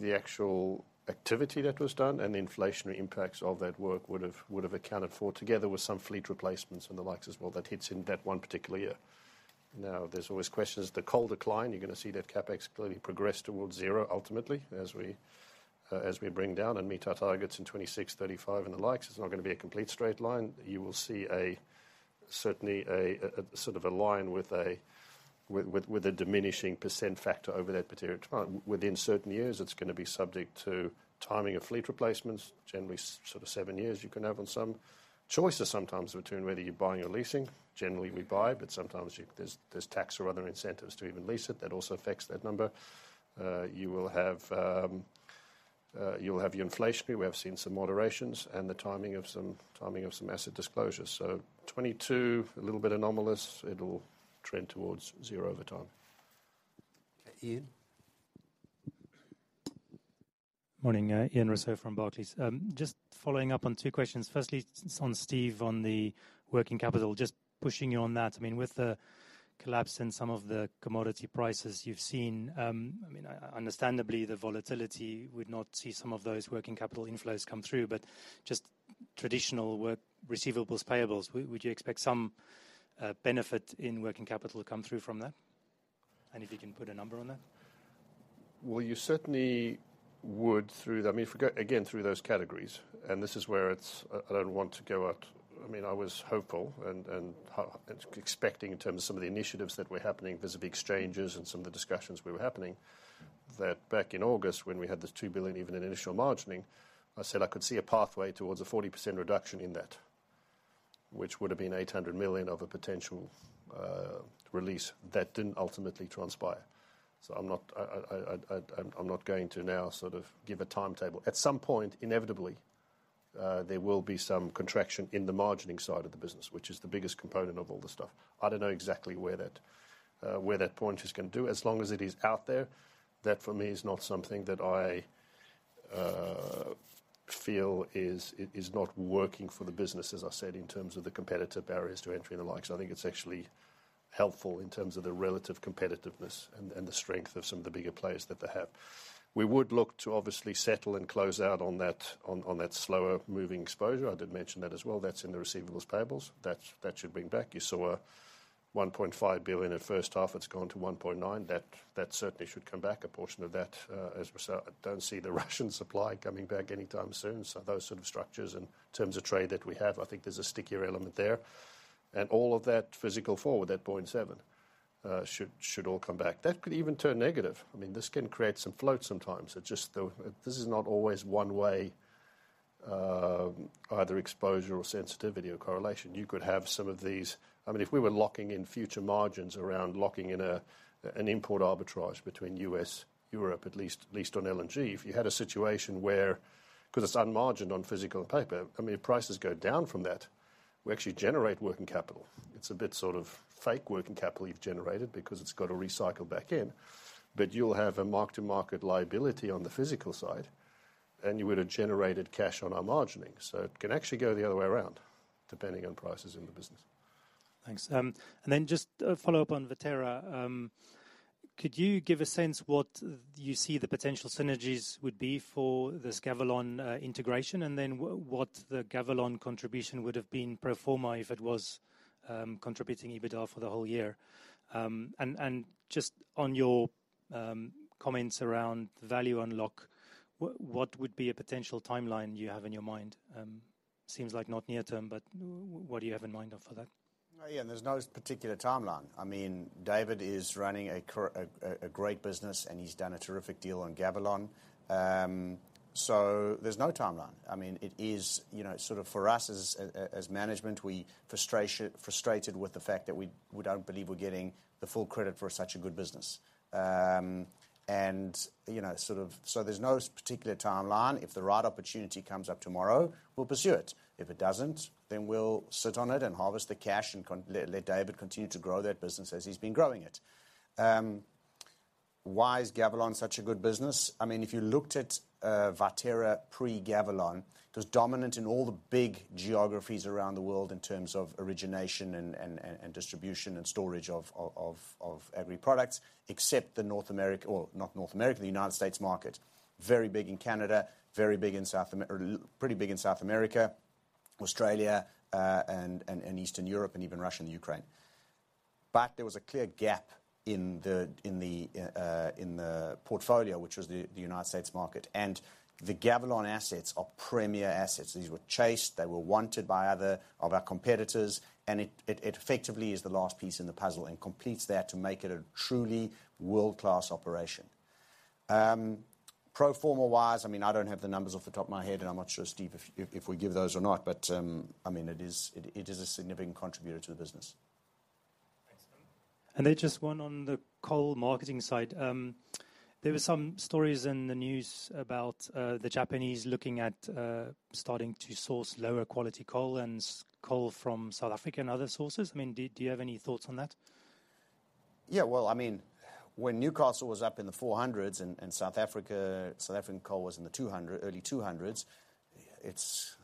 the actual activity that was done and the inflationary impacts of that work would have accounted for, together with some fleet replacements and the likes as well, that hits in that one particular year. There's always questions. The coal decline, you're gonna see that CapEx clearly progress towards zero ultimately, as we bring down and meet our targets in 26, 35 and the likes. It's not gonna be a complete straight line. You will see a, certainly a sort of a line with a diminishing % factor over that period of time. Within certain years, it's gonna be subject to timing of fleet replacements, generally sort of seven years you can have on some. Choices sometimes between whether you're buying or leasing. Generally, we buy, but sometimes there's tax or other incentives to even lease it. That also affects that number. You will have, you'll have your inflationary. We have seen some moderations and the timing of some asset disclosures. 22, a little bit anomalous. It'll trend towards zero over time. Okay. Ian? Morning. Ian Rossouw from Barclays. Just following up on two questions. Firstly, on Steve on the working capital, just pushing you on that. I mean, understandably the volatility would not see some of those working capital inflows come through. Just traditional work, receivables, payables, would you expect some benefit in working capital to come through from that? If you can put a number on that. Well, you certainly would through. I mean, if we go again through those categories, and this is where it's, I don't want to go out. I mean, I was hopeful and expecting in terms of some of the initiatives that were happening, visible exchanges and some of the discussions we were happening. That back in August when we had the $2 billion even in initial margining, I said I could see a pathway towards a 40% reduction in that, which would have been $800 million of a potential release that didn't ultimately transpire. I'm not going to now sort of give a timetable. At some point, inevitably, there will be some contraction in the margining side of the business, which is the biggest component of all the stuff. I don't know exactly where that where that point is gonna do. As long as it is out there, that for me is not something that I feel is not working for the business, as I said, in terms of the competitive barriers to entry and the like. I think it's actually helpful in terms of the relative competitiveness and the strength of some of the bigger players that they have. We would look to obviously settle and close out on that slower moving exposure. I did mention that as well. That's in the receivables, payables. That should bring back. You saw $1.5 billion in first half. It's gone to $1.9 billion. That certainly should come back. A portion of that, as we saw, I don't see the Russian supply coming back anytime soon. Those sort of structures in terms of trade that we have, I think there's a stickier element there. All of that physical forward, that 0.7, should all come back. That could even turn negative. I mean, this can create some float sometimes. This is not always one way, either exposure or sensitivity or correlation. I mean, if we were locking in future margins around locking in a, an import arbitrage between U.S., Europe, at least on LNG, if you had a situation where, because it's unmargined on physical paper, I mean, if prices go down from that, we actually generate working capital. It's a bit sort of fake working capital you've generated because it's got to recycle back in. You'll have a mark-to-market liability on the physical side, and you would have generated cash on our margining. It can actually go the other way around, depending on prices in the business. Thanks. Just a follow-up on Viterra. Could you give a sense what you see the potential synergies would be for this Gavilon integration? What the Gavilon contribution would have been pro forma if it was contributing EBITDA for the whole year. And just on your comments around value unlock, what would be a potential timeline you have in your mind? Seems like not near term, but what do you have in mind of for that? Oh, yeah. There's no particular timeline. I mean, David is running a great business and he's done a terrific deal on Gavilon. There's no timeline. I mean, it is, you know, sort of for us as management, we frustrated with the fact that we don't believe we're getting the full credit for such a good business. You know, sort of. There's no particular timeline. If the right opportunity comes up tomorrow, we'll pursue it. If it doesn't, then we'll sit on it and harvest the cash and let David continue to grow that business as he's been growing it. Why is Gavilon such a good business? I mean, if you looked at Viterra pre-Gavilon, it was dominant in all the big geographies around the world in terms of origination and distribution and storage of agri products, except the North America, the United States market. Very big in Canada, pretty big in South America, Australia, and Eastern Europe, and even Russia and the Ukraine. There was a clear gap in the portfolio, which was the United States market. The Gavilon assets are premier assets. These were chased, they were wanted by other of our competitors, and it effectively is the last piece in the puzzle and completes that to make it a truly world-class operation. Pro forma-wise, I don't have the numbers off the top of my head, and I'm not sure, Steve, if we give those or not, but, it is a significant contributor to the business. Thanks. Just one on the coal Marketing side. There were some stories in the news about the Japanese looking at starting to source lower quality coal and coal from South Africa and other sources. I mean, do you have any thoughts on that? Well, I mean, when Newcastle was up in the 400s and South African coal was in the 200, early 200s, it's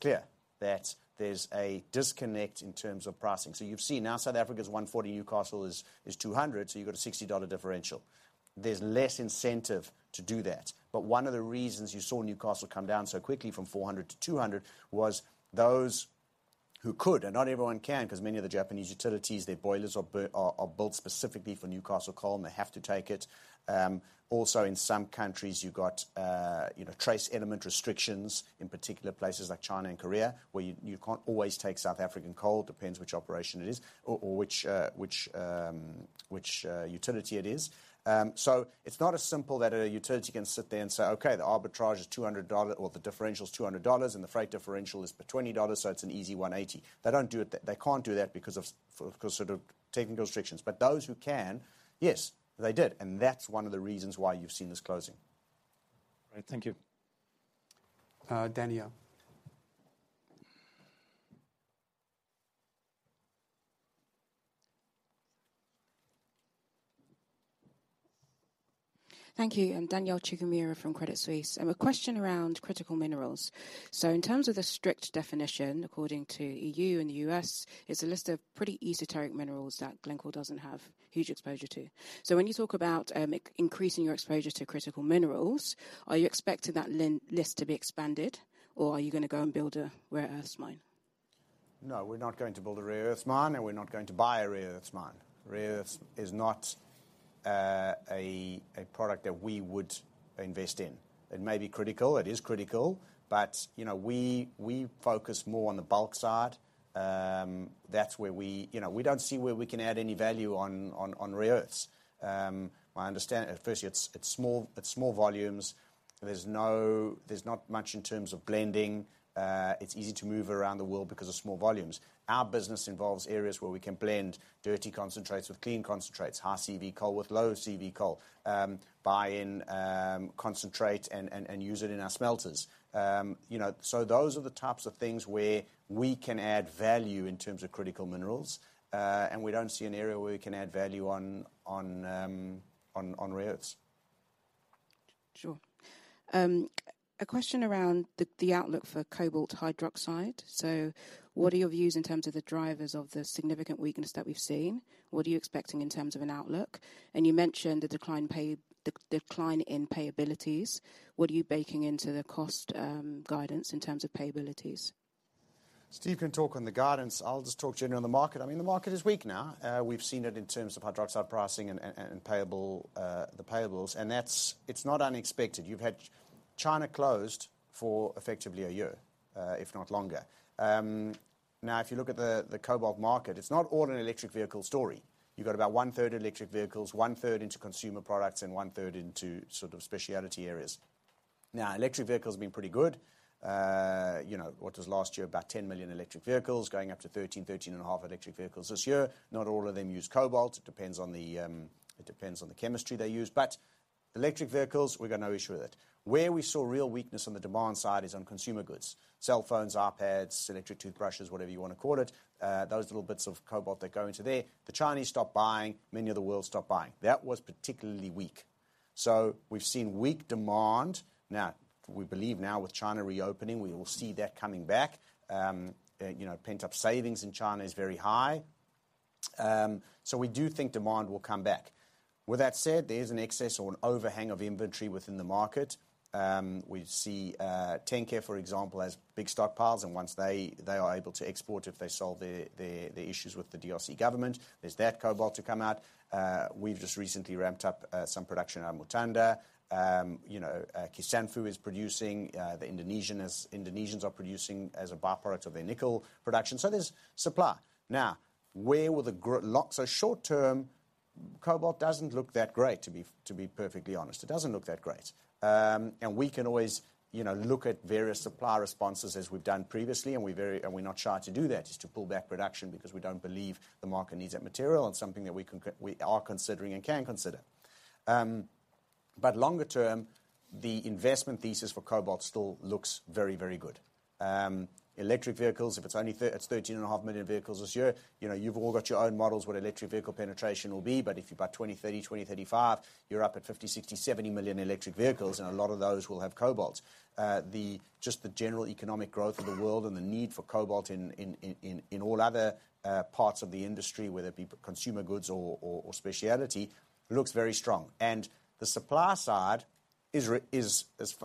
clear that there's a disconnect in terms of pricing. You've seen now South Africa's $140, Newcastle is $200, you've got a $60 differential. There's less incentive to do that. One of the reasons you saw Newcastle come down so quickly from $400 to $200 was those who could, and not everyone can, because many of the Japanese utilities, their boilers are built specifically for Newcastle coal, and they have to take it. Also in some countries, you've got, you know, trace element restrictions, in particular places like China and Korea, where you can't always take South African coal depends which operation it is or which utility it is. It's not as simple that a utility can sit there and say, "Okay, the arbitrage is $200, or the differential is $200, and the freight differential is be $20, so it's an easy $180." They can't do that because for sort of technical restrictions. Those who can, yes, they did. That's one of the reasons why you've seen this closing. All right. Thank you. Danielle. Thank you. I'm Danielle Chigumira from Credit Suisse. A question around critical minerals. In terms of the strict definition, according to EU and U.S., it's a list of pretty esoteric minerals that Glencore doesn't have huge exposure to. When you talk about, increasing your exposure to critical minerals, are you expecting that list to be expanded, or are you gonna go and build a rare earths mine? No, we're not going to build a rare earths mine, and we're not going to buy a rare earths mine. Rare earths is not a product that we would invest in. It may be critical, it is critical, but, you know, we focus more on the bulk side. That's where we. You know, we don't see where we can add any value on rare earths. Firstly, it's small volumes. There's not much in terms of blending. It's easy to move around the world because of small volumes. Our business involves areas where we can blend dirty concentrates with clean concentrates, high CV coal with low CV coal, buy in concentrate and use it in our smelters. You know, those are the types of things where we can add value in terms of critical minerals. We don't see an area where we can add value on rare earths. Sure. A question around the outlook for cobalt hydroxide. What are your views in terms of the drivers of the significant weakness that we've seen? What are you expecting in terms of an outlook? You mentioned the decline in payabilities. What are you baking into the cost guidance in terms of payabilities? Steve can talk on the guidance. I'll just talk generally on the market. I mean, the market is weak now. We've seen it in terms of hydroxide pricing and payables, and it's not unexpected. You've had China closed for effectively a year, if not longer. Now, if you look at the cobalt market, it's not all an electric vehicle story. You've got about 1/3 electric vehicles, 1/3 into consumer products, and 1/3 into sort of speciality areas. Now, electric vehicles have been pretty good. You know, what was last year? About 10 million electric vehicles going up to 13.5 electric vehicles this year. Not all of them use cobalt. It depends on the chemistry they use. Electric vehicles, we've got no issue with it. Where we saw real weakness on the demand side is on consumer goods. Cell phones, iPads, electric toothbrushes, whatever you wanna call it, those little bits of cobalt that go into there. The Chinese stopped buying, many of the world stopped buying. That was particularly weak. We've seen weak demand. We believe now with China reopening, we will see that coming back. You know, pent-up savings in China is very high. We do think demand will come back. With that said, there's an excess or an overhang of inventory within the market. We see Tenke, for example, has big stockpiles, and once they are able to export, if they solve their issues with the DRC government, there's that cobalt to come out. We've just recently ramped up some production at Mutanda. You know, Kisanfu is producing. The Indonesians are producing as a by-product of their nickel production. There's supply. Now, where will the short-term, cobalt doesn't look that great, to be, to be perfectly honest. It doesn't look that great. We can always, you know, look at various supply responses as we've done previously, and we're not shy to do that, is to pull back production because we don't believe the market needs that material. It's something that we can we are considering and can consider. Longer term, the investment thesis for cobalt still looks very, very good. Electric vehicles, if it's only 13.5 million vehicles this year, you know, you've all got your own models where electric vehicle penetration will be, but if you're by 2030, 2035, you're up at 50, 60, 70 million electric vehicles, and a lot of those will have cobalt. Just the general economic growth of the world and the need for cobalt in all other parts of the industry, whether it be consumer goods or specialty, looks very strong. The supply side is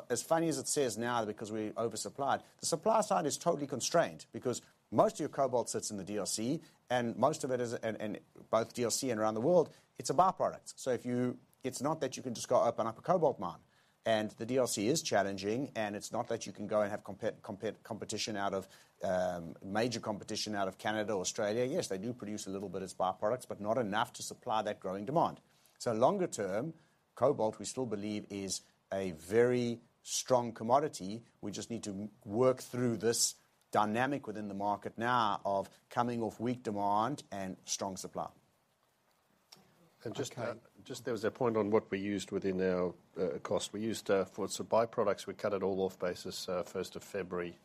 as funny as it says now, because we're oversupplied, the supply side is totally constrained because most of your cobalt sits in the DRC, and most of it is, and both DRC and around the world, it's a by-product. It's not that you can just go open up a cobalt mine. The DRC is challenging, and it's not that you can go and have competition out of major competition out of Canada or Australia. Yes, they do produce a little bit as by-products, but not enough to supply that growing demand. Longer term, cobalt, we still believe is a very strong commodity. We just need to work through this dynamic within the market now of coming off weak demand and strong supply. Just there was a point on what we used within our cost. We used for some by-products, we cut it all off basis, first of February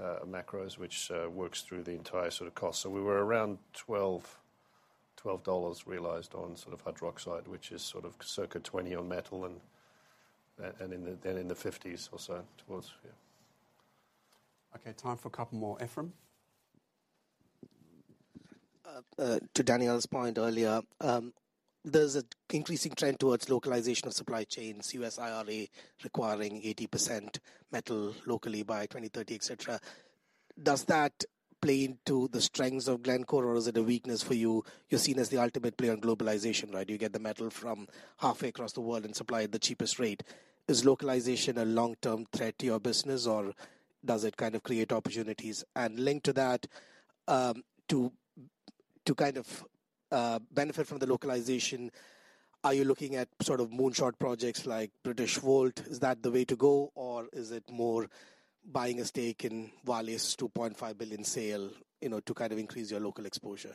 macros, which works through the entire sort of cost. We were around $12 realized on sort of hydroxide, which is sort of circa $20 on metal and in the $50s or so towards. Okay, time for a couple more. Ephrem. To Danielle's point earlier, there's an increasing trend towards localization of supply chains, U.S. IRA requiring 80% metal locally by 2030, et cetera. Does that play into the strengths of Glencore, or is it a weakness for you? You're seen as the ultimate player in globalization, right? You get the metal from halfway across the world and supply at the cheapest rate. Is localization a long-term threat to your business or does it kind of create opportunities? Linked to that, to kind of benefit from the localization, are you looking at sort of moonshot projects like Britishvolt? Is that the way to go, or is it more buying a stake in Vale's $2.5 billion sale, you know, to kind of increase your local exposure?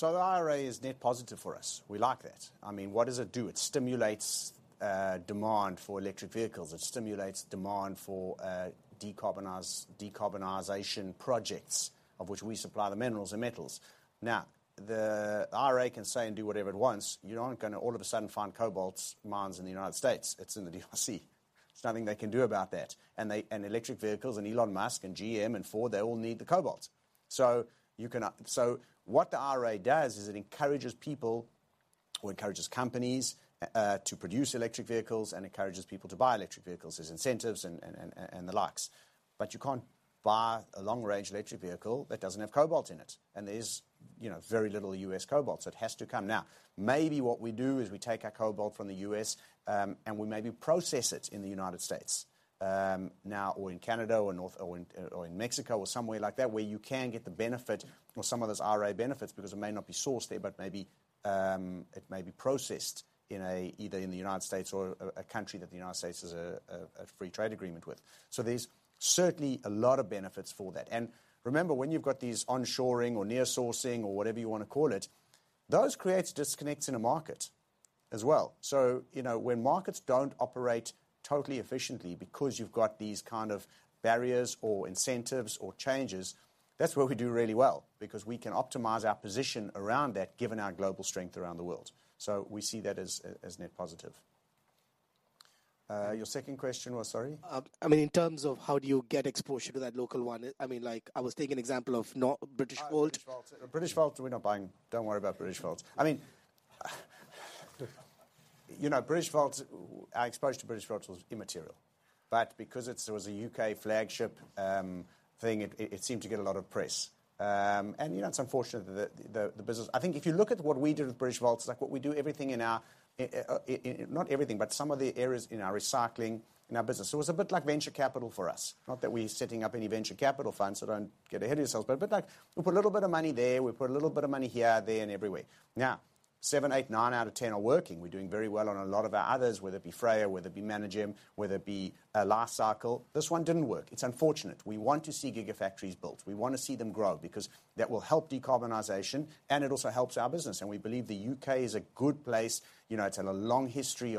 The IRA is net positive for us. We like that. I mean, what does it do? It stimulates demand for electric vehicles. It stimulates demand for decarbonization projects, of which we supply the minerals and metals. Now, the IRA can say and do whatever it wants. You're not gonna all of a sudden find cobalt mines in the United States. It's in the DRC. There's nothing they can do about that. Electric vehicles and Elon Musk and GM and Ford, they all need the cobalt. What the IRA does is it encourages people or encourages companies to produce electric vehicles and encourages people to buy electric vehicles. There's incentives and the likes. You can't buy a long-range electric vehicle that doesn't have cobalt in it. There's, you know, very little U.S. cobalt, so it has to come. Maybe what we do is we take our cobalt from the U.S. and we maybe process it in the United States now or in Canada or in Mexico or somewhere like that, where you can get the benefit or some of those IRA benefits, because it may not be sourced there, but maybe it may be processed either in the United States or a country that the United States has a free trade agreement with. There's certainly a lot of benefits for that. Remember, when you've got these onshoring or near sourcing or whatever you wanna call it, those create disconnects in a market as well. You know, when markets don't operate totally efficiently because you've got these kind of barriers or incentives or changes, that's where we do really well, because we can optimize our position around that given our global strength around the world. We see that as net positive. Your second question was, sorry? I mean, in terms of how do you get exposure to that local one? I mean, like, I was taking example of Britishvolt. Britishvolt. Britishvolt, we're not buying. Don't worry about Britishvolt. I mean, you know, Britishvolt. Our exposure to Britishvolt was immaterial. Because there was a U.K. flagship thing, it seemed to get a lot of press. You know, it's unfortunate that the business. I think if you look at what we did with Britishvolt, it's like what we do everything in our. Not everything, but some of the areas in our recycling, in our business. It's a bit like venture capital for us. Not that we're setting up any venture capital funds, so don't get ahead of yourselves. A bit like we put a little bit of money there, we put a little bit of money here, there, and everywhere. Now, 7, 8, 9 out of 10 are working. We're doing very well on a lot of our others, whether it be FREYR, whether it be Mangrove, whether it be Li-Cycle. This one didn't work. It's unfortunate. We want to see gigafactories built. We wanna see them grow because that will help decarbonization, and it also helps our business. We believe the U.K. is a good place. You know, it's had a long history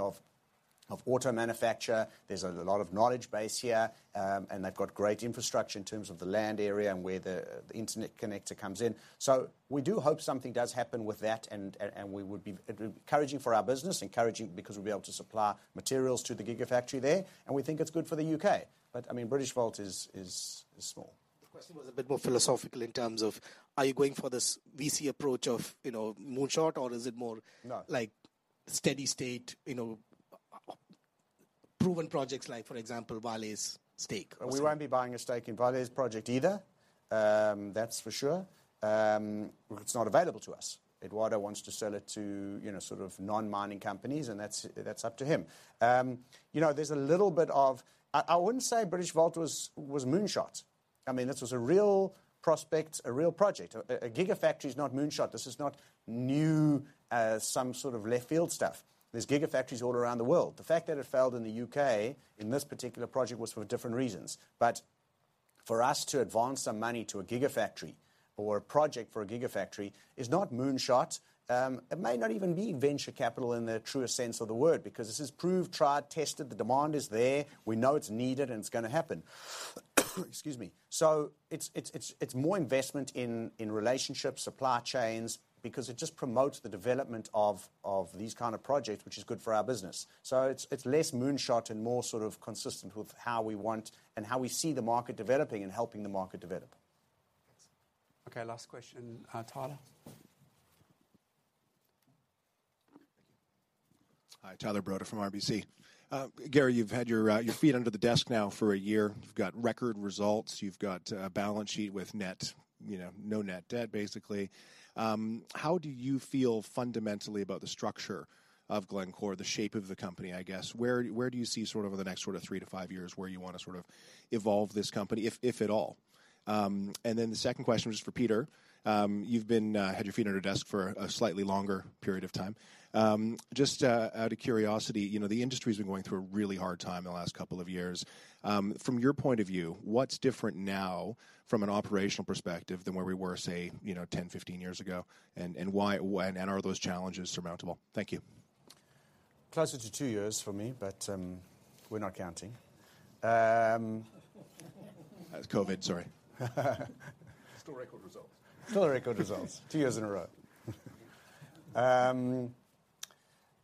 of auto manufacture. There's a lot of knowledge base here, and they've got great infrastructure in terms of the land area and where the internet connector comes in. We do hope something does happen with that It would be encouraging for our business, encouraging because we'll be able to supply materials to the gigafactory there, and we think it's good for the U.K. I mean, Britishvolt is small. The question was a bit more philosophical in terms of, are you going for this VC approach of, you know, moonshot, or is it more like steady-state, you know, proven projects like, for example, Vale's stake or something. We won't be buying a stake in Vale's project either, that's for sure. It's not available to us. Eduardo wants to sell it to, you know, sort of non-mining companies, and that's up to him. You know, there's a little bit of... I wouldn't say Britishvolt was moonshot. I mean, this was a real prospect, a real project. A gigafactory is not moonshot. This is not new, some sort of left field stuff. There's gigafactories all around the world. The fact that it failed in the U.K. in this particular project was for different reasons. For us to advance some money to a gigafactory or a project for a gigafactory is not moonshot. It may not even be venture capital in the truest sense of the word, because this is proved, tried, tested, the demand is there. We know it's needed. It's gonna happen. Excuse me. It's more investment in relationships, supply chains, because it just promotes the development of these kind of projects, which is good for our business. It's less moonshot and more sort of consistent with how we want and how we see the market developing and helping the market develop. Thanks. Okay, last question, Tyler. Hi, Tyler Broda from RBC. Gary, you've had your feet under the desk now for 1 year. You've got record results. You've got a balance sheet with net, you know, no net debt, basically. How do you feel fundamentally about the structure of Glencore, the shape of the company, I guess? Where, where do you see sort of the next sort of three to five years where you want to sort of evolve this company, if at all? The second question was for Peter. You've been, had your feet under the desk for a slightly longer period of time. Just, out of curiosity, you know, the industry's been going through a really hard time in the last couple of years. From your point of view, what's different now from an operational perspective than where we were, say, you know, 10, 15 years ago? Why, and are those challenges surmountable? Thank you. Closer to two years for me, but, we're not counting. That's COVID. Sorry. Still record results. Still record results two years in a row.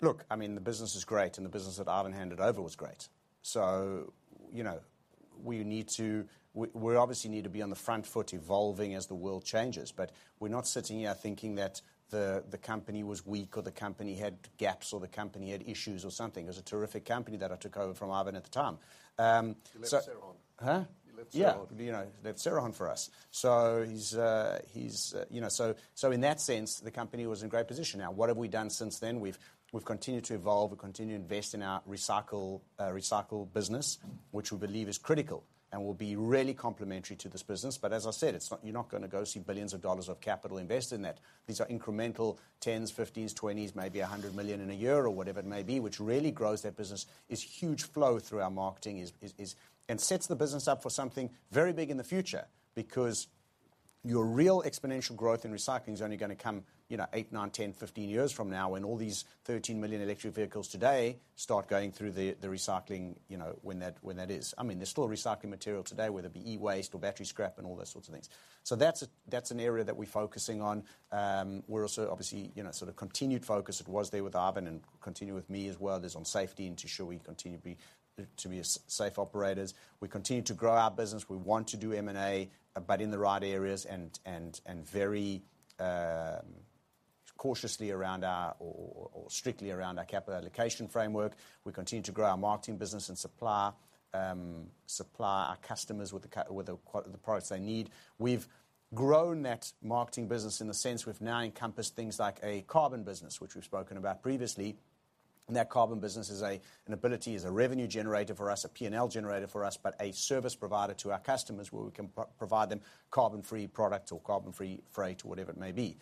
Look, I mean, the business is great, and the business that Ivan handed over was great. You know, we obviously need to be on the front foot evolving as the world changes. We're not sitting here thinking that the company was weak or the company had gaps or the company had issues or something. It was a terrific company that I took over from Ivan at the time. He left Cerrejón. Huh? He left Cerrejón. Yeah. You know, left Cerrejón for us. He's, you know. In that sense, the company was in a great position. What have we done since then? We've continued to evolve. We continue to invest in our recycle business, which we believe is critical and will be really complementary to this business. As I said, it's not, you're not gonna go see billions of dollars of capital invested in that. These are incremental 10s, 15s, 20s, maybe $100 million in a year or whatever it may be, which really grows that business. It's huge flow through our Marketing is and sets the business up for something very big in the future because your real exponential growth in recycling is only gonna come, you know, 8, 9, 10, 15 years from now when all these 13 million electric vehicles today start going through the recycling, you know, when that is. I mean, there's still recycling material today, whether it be e-waste or battery scrap and all those sorts of things. That's an area that we're focusing on. We're also obviously, you know, sort of continued focus. It was there with Ivan and continued with me as well is on safety and to sure we continue to be a safe operators. We continue to grow our business. We want to do M&A, but in the right areas and very cautiously around our strictly around our capital allocation framework. We continue to grow our Marketing business and supply our customers with the products they need. We've grown that Marketing business in the sense we've now encompassed things like a carbon business, which we've spoken about previously. That carbon business is an ability, is a revenue generator for us, a P&L generator for us. A service provider to our customers where we can provide them carbon-free product or carbon-free freight or whatever it may be.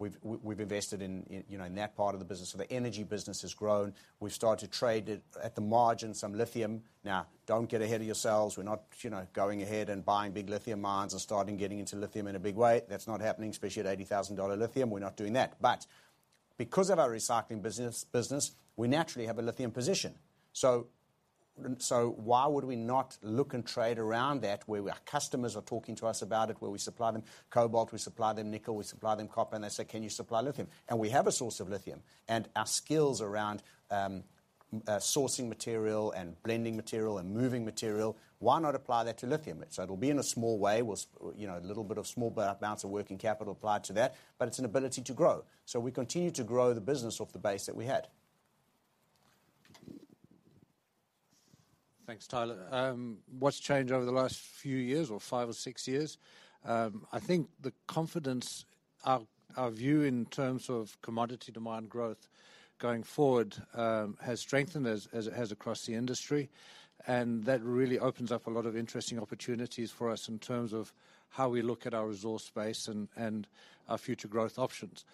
We've invested in, you know, in that part of the business. The energy business has grown. We've started to trade at the margin some lithium. Don't get ahead of yourselves. We're not, you know, going ahead and buying big lithium mines and starting getting into lithium in a big way. That's not happening, especially at $80,000 lithium. We're not doing that. Because of our recycling business, we naturally have a lithium position. Why would we not look and trade around that, where our customers are talking to us about it, where we supply them cobalt, we supply them nickel, we supply them copper, and they say, "Can you supply lithium?" We have a source of lithium and our skills around sourcing material and blending material and moving material. Why not apply that to lithium? It'll be in a small way with, you know, a little bit of small amounts of working capital applied to that, but it's an ability to grow. We continue to grow the business off the base that we had. Thanks, Tyler. What's changed over the last few years or five or six years? I think the confidence, our view in terms of commodity demand growth going forward, has strengthened as it has across the industry, and that really opens up a lot of interesting opportunities for us in terms of how we look at our resource base and our future growth options.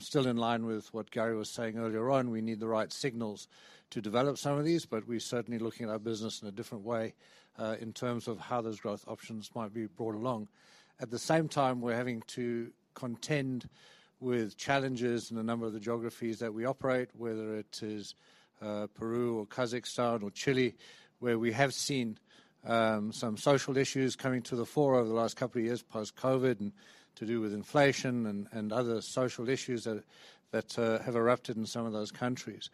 Still in line with what Gary was saying earlier on, we need the right signals to develop some of these, but we're certainly looking at our business in a different way, in terms of how those growth options might be brought along. At the same time, we're having to contend with challenges in a number of the geographies that we operate, whether it is Peru or Kazakhstan or Chile, where we have seen some social issues coming to the fore over the last couple of years post-COVID and to do with inflation and other social issues that have erupted in some of those countries.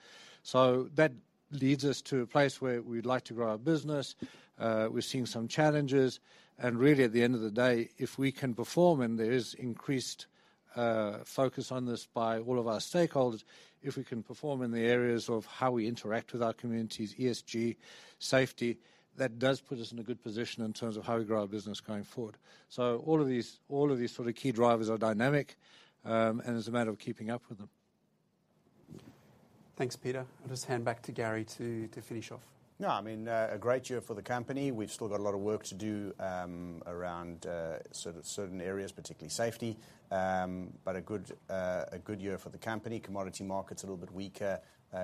That leads us to a place where we'd like to grow our business. We're seeing some challenges. Really at the end of the day, if we can perform and there is increased focus on this by all of our stakeholders, if we can perform in the areas of how we interact with our communities, ESG, safety, that does put us in a good position in terms of how we grow our business going forward. All of these sort of key drivers are dynamic, and it's a matter of keeping up with them. Thanks, Peter. I'll just hand back to Gary to finish off. No, I mean, a great year for the company. We've still got a lot of work to do around sort of certain areas, particularly safety. But a good year for the company. Commodity market's a little bit weaker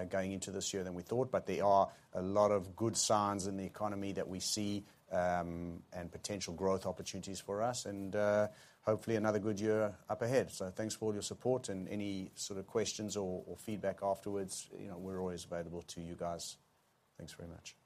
going into this year than we thought, but there are a lot of good signs in the economy that we see and potential growth opportunities for us and hopefully another good year up ahead. Thanks for all your support and any sort of questions or feedback afterwards, you know, we're always available to you guys. Thanks very much.